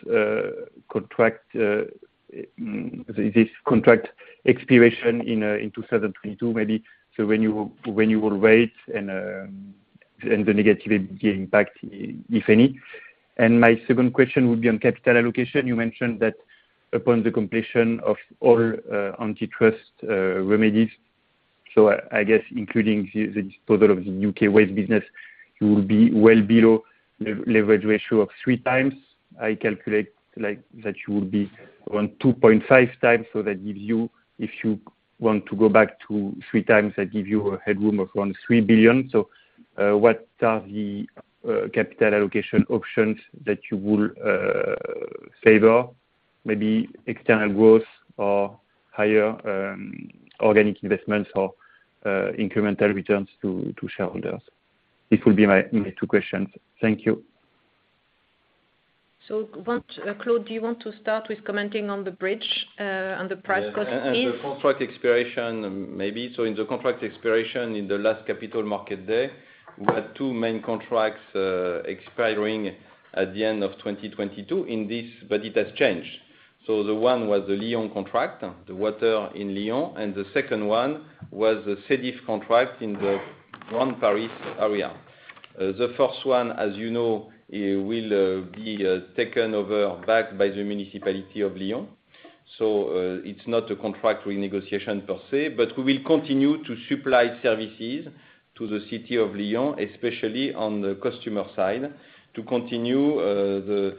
this contract expiration in 2022 maybe? What you will weigh and the negative impact, if any. My second question would be on capital allocation. You mentioned that upon the completion of all antitrust remedies, I guess including the disposal of the U.K. Waste business, you will be well below leverage ratio of 3x. I calculate like that you will be around 2.5x, so that gives you, if you want to go back to 3x, that give you a headroom of around 3 billion. What are the capital allocation options that you would favor? Maybe external growth or higher organic investments or incremental returns to shareholders? This will be my two questions. Thank you. Claude, do you want to start with commenting on the bridge and the price increase? And the contract expiration maybe. In the contract expiration in the last Capital Markets Day, we had two main contracts expiring at the end of 2022 in this, but it has changed. The one was the Lyon contract, the water in Lyon, and the second one was the SEDIF contract in the Grand Paris area. The first one, as you know, will be taken over back by the municipality of Lyon. It's not a contract renegotiation per se, but we will continue to supply services to the city of Lyon, especially on the customer side, to continue the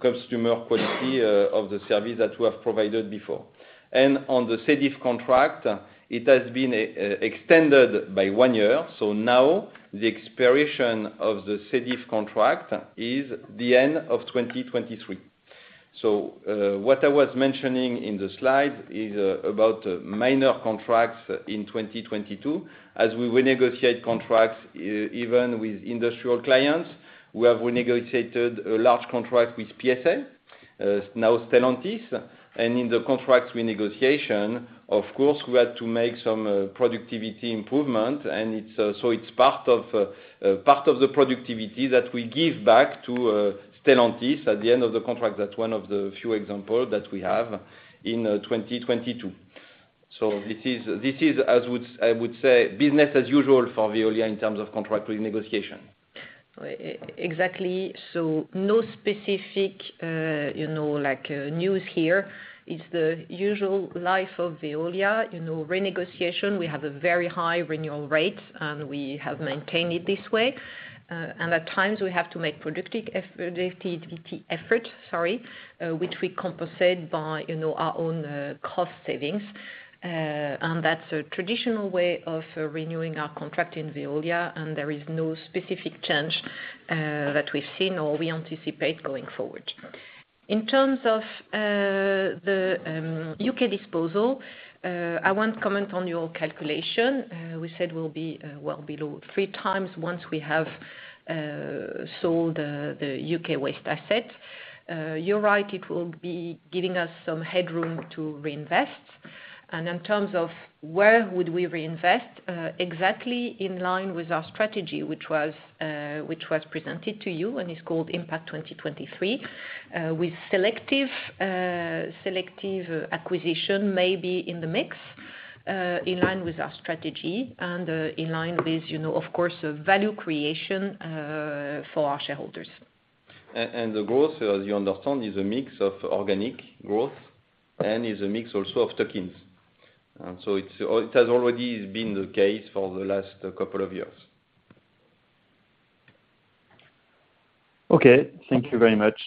customer quality of the service that we have provided before. On the SEDIF contract, it has been extended by one year, so now the expiration of the SEDIF contract is the end of 2023. What I was mentioning in the slide is about minor contracts in 2022. As we renegotiate contracts even with industrial clients, we have renegotiated a large contract with PSA, now Stellantis. In the contract renegotiation, of course, we had to make some productivity improvement, and it's part of the productivity that we give back to Stellantis at the end of the contract. That's one of the few example that we have in 2022. This is, as I would say, business as usual for Veolia in terms of contract renegotiation. Exactly. No specific, you know, like, news here. It's the usual life of Veolia. You know, renegotiation, we have a very high renewal rate, and we have maintained it this way. At times we have to make productivity effort, sorry, which we compensate by, you know, our own, cost savings. That's a traditional way of renewing our contract in Veolia, and there is no specific change, that we've seen or we anticipate going forward. In terms of, the, U.K. disposal, I won't comment on your calculation. We said we'll be, well below three times once we have, sold the U.K. waste asset. You're right, it will be giving us some headroom to reinvest. In terms of where would we reinvest, exactly in line with our strategy, which was presented to you and is called Impact 2023. With selective acquisition, maybe in the mix, in line with our strategy and, in line with, you know, of course, value creation, for our shareholders. The growth, as you understand, is a mix of organic growth and is a mix also of bolt-ons. It has already been the case for the last couple of years. Okay. Thank you very much.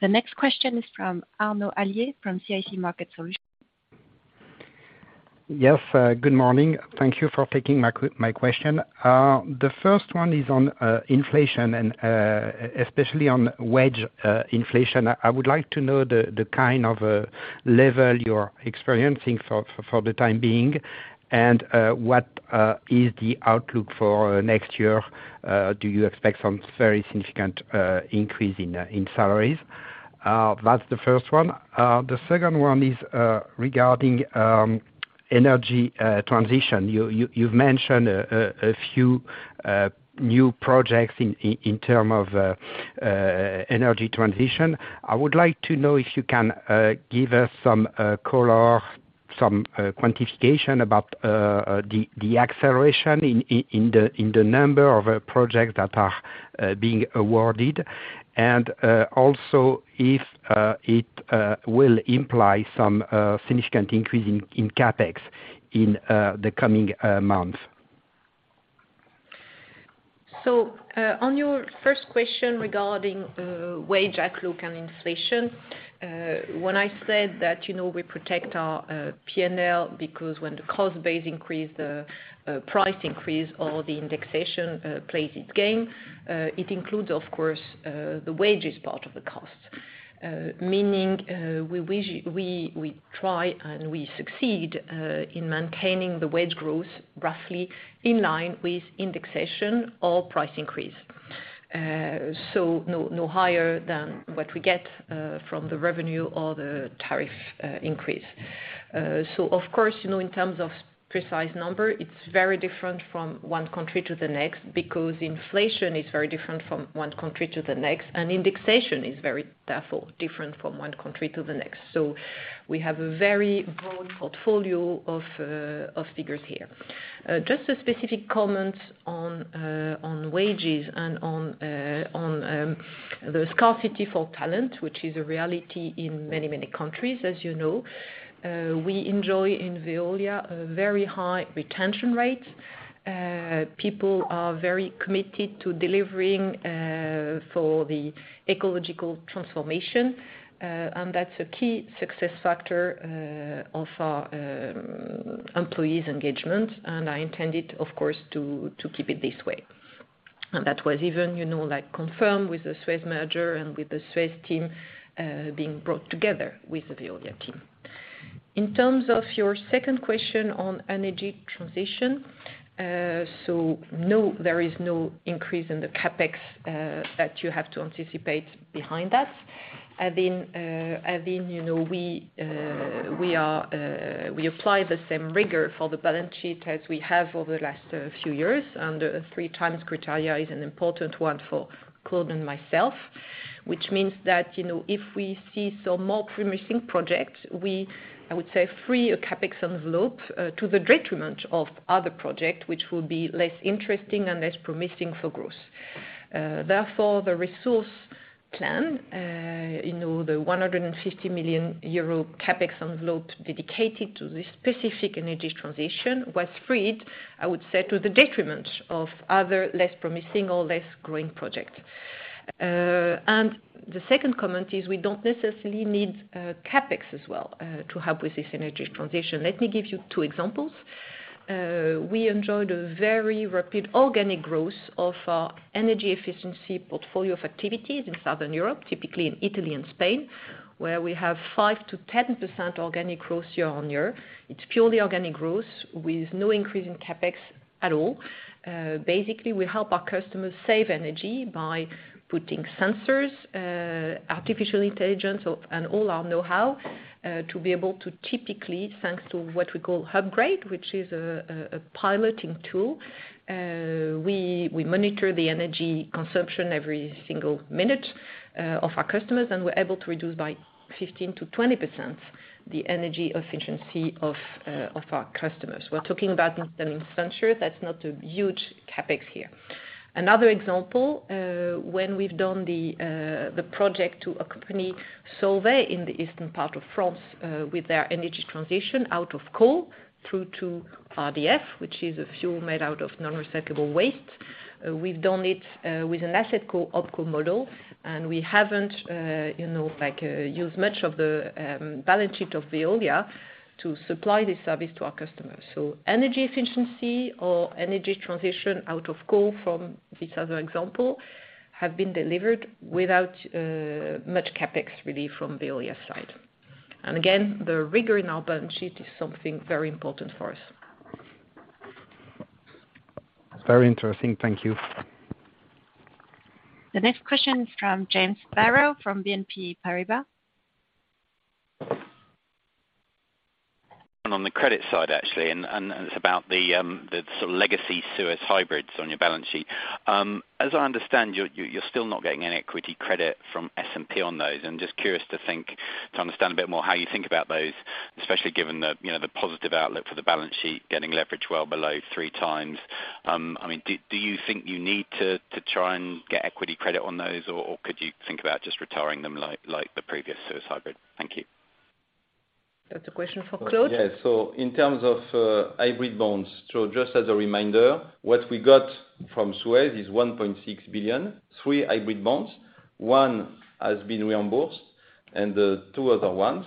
The next question is from Arnaud Palliez, from CIC Market Solutions. Yes, good morning. Thank you for taking my question. The first one is on inflation and especially on wage inflation. I would like to know the kind of level you're experiencing for the time being and what is the outlook for next year? Do you expect some very significant increase in salaries? That's the first one. The second one is regarding energy transition. You've mentioned a few new projects in terms of energy transition. I would like to know if you can give us some color, some quantification about the acceleration in the number of projects that are being awarded, and also if it will imply some significant increase in CapEx in the coming months. On your first question regarding wage outlook and inflation, when I said that, you know, we protect our P&L because when the cost base increase, the price increase or the indexation plays its game, it includes of course the wages part of the cost. Meaning, we try and we succeed in maintaining the wage growth roughly in line with indexation or price increase. No higher than what we get from the revenue or the tariff increase. Of course, you know, in terms of precise number, it's very different from one country to the next because inflation is very different from one country to the next, and indexation is very therefore different from one country to the next. We have a very broad portfolio of figures here. Just a specific comment on wages and on the scarcity for talent, which is a reality in many, many countries, as you know. We enjoy in Veolia a very high retention rate. People are very committed to delivering for the ecological transformation, and that's a key success factor of our employees' engagement. I intend it, of course, to keep it this way. That was even, you know, like confirmed with the Suez merger and with the Suez team being brought together with the Veolia team. In terms of your second question on energy transition, no, there is no increase in the CapEx that you have to anticipate behind that. You know, we apply the same rigor for the balance sheet as we have over the last few years, and a three times criteria is an important one for Claude and myself, which means that, you know, if we see some more promising projects, I would say, free a CapEx envelope to the detriment of other project, which will be less interesting and less promising for growth. Therefore, the ReSource plan, you know, the 150 million euro CapEx envelope dedicated to this specific energy transition was freed, I would say, to the detriment of other less promising or less growing projects. The second comment is we don't necessarily need CapEx as well to help with this energy transition. Let me give you two examples. We enjoyed a very rapid organic growth of our energy efficiency portfolio of activities in Southern Europe, typically in Italy and Spain, where we have 5%-10% organic growth year-on-year. It's purely organic growth with no increase in CapEx at all. Basically, we help our customers save energy by putting sensors, artificial intelligence of, and all our know-how to be able to typically, thanks to what we call Hubgrade, which is a piloting tool, we monitor the energy consumption every single minute of our customers, and we're able to reduce by 15%-20% the energy efficiency of our customers. We're talking about making sure that's not a huge CapEx here. Another example, when we've done the project to accompany Solvay in the eastern part of France, with their energy transition out of coal through to RDF, which is a fuel made out of non-recyclable waste. We've done it with an asset OpCo model, and we haven't, you know, like, used much of the balance sheet of Veolia to supply this service to our customers. Energy efficiency or energy transition out of coal from this other example have been delivered without much CapEx really from Veolia's side. Again, the rigor in our balance sheet is something very important for us. Very interesting. Thank you. The next question is from James Brand from BNP Paribas. On the credit side, actually, it's about the sort of legacy Suez hybrids on your balance sheet. As I understand, you're still not getting any equity credit from S&P on those. I'm just curious to understand a bit more how you think about those, especially given the, you know, the positive outlook for the balance sheet, getting leverage well below 3x. I mean, do you think you need to try and get equity credit on those, or could you think about just retiring them like the previous Suez hybrid? Thank you. That's a question for Claude. Yes. In terms of hybrid bonds, just as a reminder, what we got from Suez is 1.6 billion, three hybrid bonds. 1 has been reimbursed, and the two other ones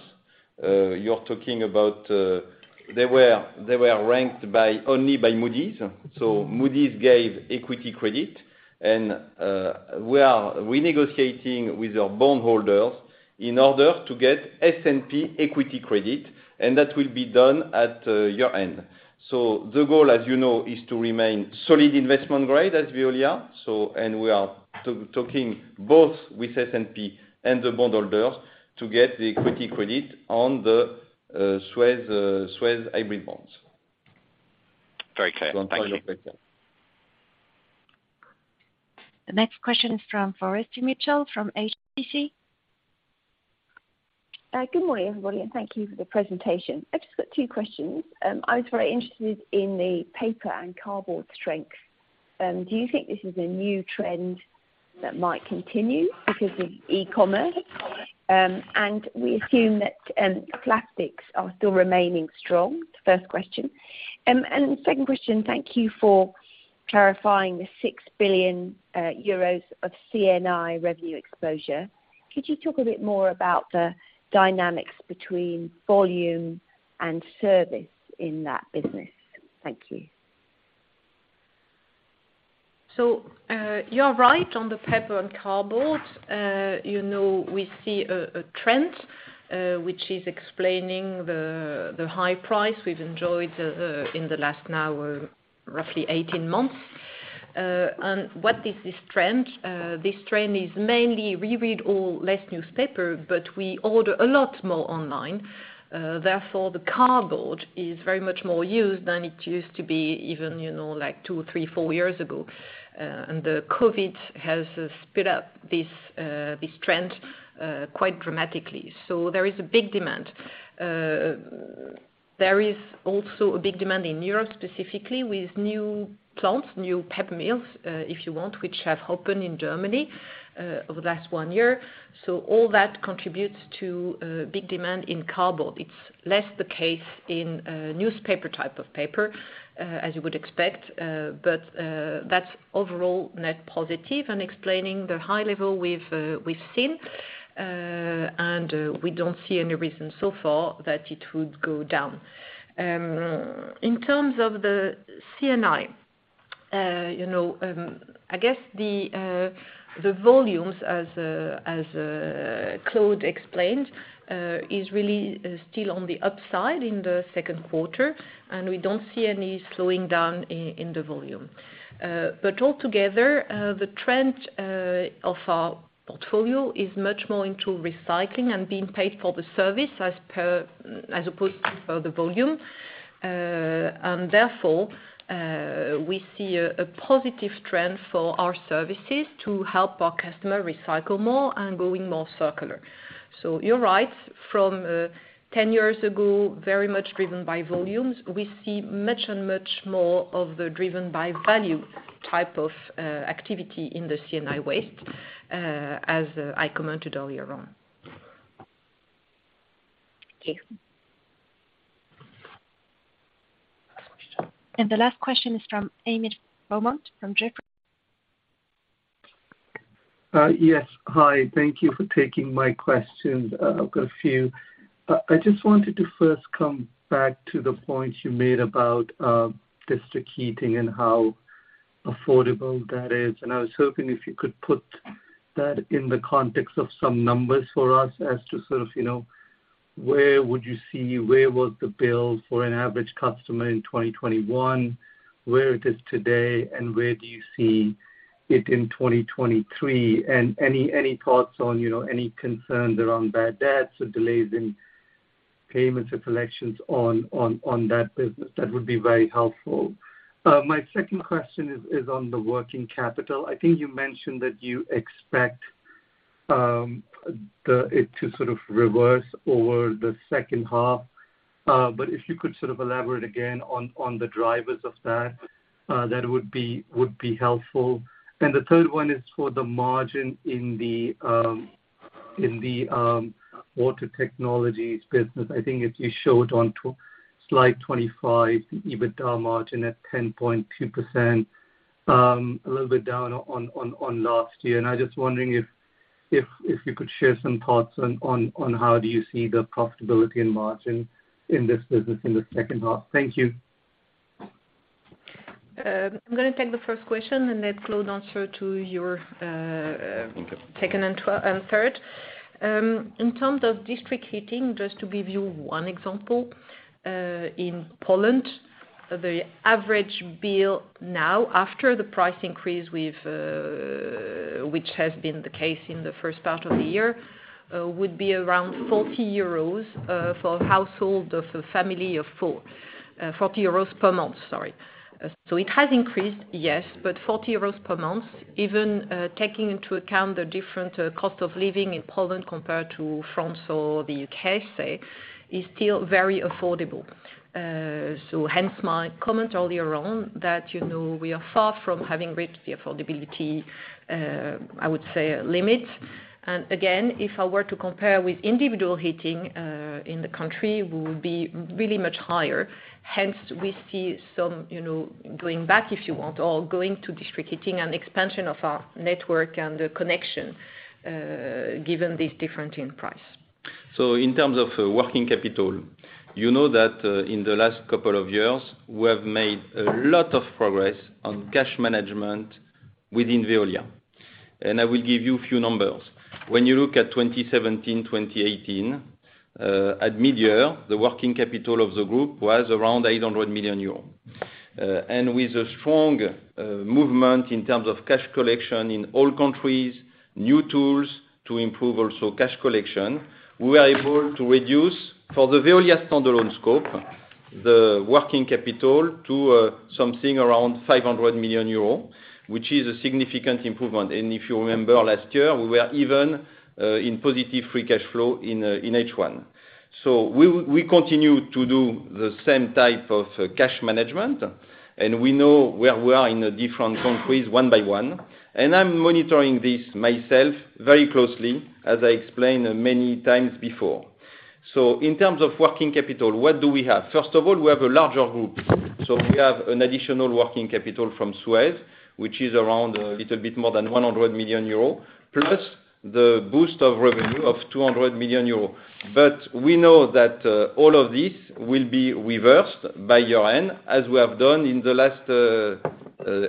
you're talking about, they were ranked only by Moody's. Moody's gave equity credit, and we are renegotiating with our bondholders in order to get S&P equity credit, and that will be done at year-end. The goal, as you know, is to remain solid investment grade as Veolia. We are talking both with S&P and the bondholders to get the equity credit on the Suez hybrid bonds. Very clear. Thank you. I'm sorry for. The next question is from Rajesh Singla from HSBC. Good morning, everybody, and thank you for the presentation. I've just got two questions. I was very interested in the paper and cardboard strength. Do you think this is a new trend that might continue because of e-commerce? We assume that plastics are still remaining strong. First question. Second question, thank you for clarifying the 6 billion euros of C&I revenue exposure. Could you talk a bit more about the dynamics between volume and service in that business? Thank you. You're right on the paper and cardboard. You know, we see a trend which is explaining the high price we've enjoyed in the last now roughly 18 months. What is this trend? This trend is mainly we read a lot less newspapers, but we order a lot more online. Therefore, the cardboard is very much more used than it used to be even, you know, like two, three, four years ago. The COVID has sped up this trend quite dramatically. There is a big demand. There is also a big demand in Europe, specifically with new plants, new paper mills, if you want, which have opened in Germany over the last one year. All that contributes to a big demand in cardboard. It's less the case in newspaper type of paper, as you would expect. That's overall net positive and explaining the high level we've seen. We don't see any reason so far that it would go down. In terms of the C&I, you know, I guess the volumes as Claude explained is really still on the upside in the second quarter, and we don't see any slowing down in the volume. All together, the trend of our portfolio is much more into recycling and being paid for the service as opposed to per the volume. Therefore, we see a positive trend for our services to help our customer recycle more and going more circular. You're right. From 10 years ago, very much driven by volumes, we see much more of the driven by value type of activity in the C&I waste, as I commented earlier on. Thank you. The last question is from Ahmed Farman from Jefferies. Yes. Hi. Thank you for taking my questions. I've got a few. I just wanted to first come back to the point you made about district heating and how affordable that is. I was hoping if you could put that in the context of some numbers for us as to sort of, you know, where would you see, where was the bill for an average customer in 2021, where it is today, and where do you see it in 2023? Any thoughts on, you know, any concerns around bad debts or delays in payments and collections on that business. That would be very helpful. My second question is on the working capital. I think you mentioned that you expect it to sort of reverse over the second half. If you could sort of elaborate again on the drivers of that would be helpful. The third one is for the margin in the Water Technologies business. I think it's, you show it on slide 25, EBITDA margin at 10.2%. A little bit down on last year, and I'm just wondering if you could share some thoughts on how do you see the profitability and margin in this business in the second half. Thank you. I'm gonna take the first question and let Claude answer to your, Okay. In terms of district heating, just to give you one example, in Poland, the average bill now after the price increase with which has been the case in the first part of the year, would be around 40 euros for a household of a family of four. 40 euros per month, sorry. It has increased, yes, but 40 euros per month even taking into account the different cost of living in Poland compared to France or the U.K., say, is still very affordable. Hence my comment earlier on that, you know, we are far from having reached the affordability, I would say, limit. Again, if I were to compare with individual heating, in the country will be really much higher. Hence we see some, you know, going back if you want or going to district heating and expansion of our network and the connection, given this difference in price. In terms of working capital, you know that in the last couple of years we have made a lot of progress on cash management within Veolia. I will give you a few numbers. When you look at 2017, 2018, at midyear, the working capital of the group was around 800 million euros. With a stronger movement in terms of cash collection in all countries, new tools to improve also cash collection, we are able to reduce, for the Veolia standalone scope, the working capital to something around 500 million euros, which is a significant improvement. If you remember last year, we were even in positive free cash flow in H1. We continue to do the same type of cash management, and we know where we are in the different countries one by one, and I'm monitoring this myself very closely, as I explained many times before. In terms of working capital, what do we have? First of all, we have a larger group. We have an additional working capital from Suez, which is around a little bit more than 100 million euro, plus the boost of revenue of 200 million euro. We know that all of this will be reversed by year-end, as we have done in the last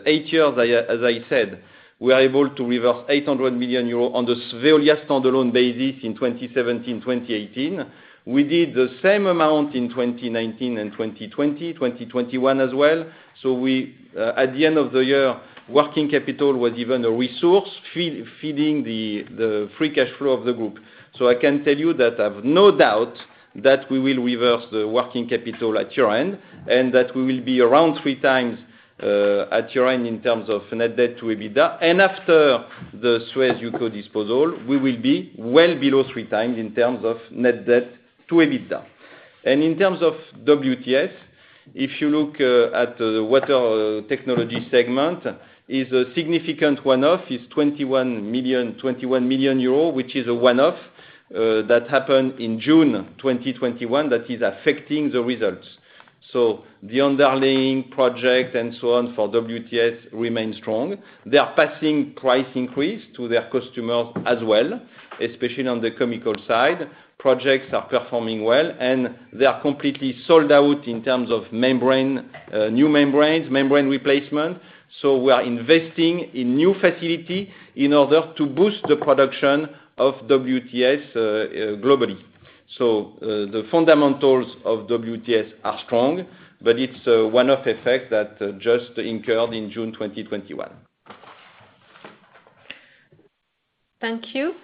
eight years. As I said, we are able to reverse 800 million euros on the Veolia standalone basis in 2017, 2018. We did the same amount in 2019 and 2020, 2021 as well. At the end of the year, working capital was even a resource, feeding the free cash flow of the group. I can tell you that I've no doubt that we will reverse the working capital at year-end, and that we will be around 3x at year-end in terms of Net Debt to EBITDA. After the Suez U.K. Disposal, we will be well below 3x in terms of Net Debt to EBITDA. In terms of WTS, if you look at Water Technologies & Solutions, is a significant one-off. It's 21 million, which is a one-off that happened in June 2021 that is affecting the results. The underlying project and so on for WTS remains strong. They are passing price increase to their customers as well, especially on the chemical side. Projects are performing well, and they are completely sold out in terms of membrane, new membranes, membrane replacement. We are investing in new facility in order to boost the production of WTS globally. The fundamentals of WTS are strong, but it's a one-off effect that just incurred in June 2021. Thank you.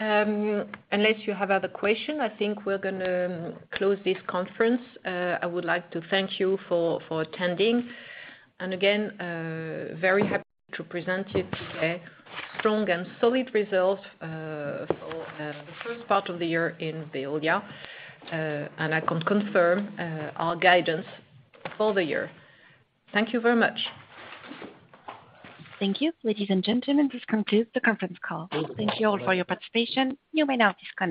Unless you have other question, I think we're gonna close this conference. I would like to thank you for attending. Again, very happy to present you today strong and solid results for the first part of the year in Veolia. I can confirm our guidance for the year. Thank you very much. Thank you. Thank you, ladies and gentlemen. This concludes the conference call. Thank you all for your participation. You may now disconnect.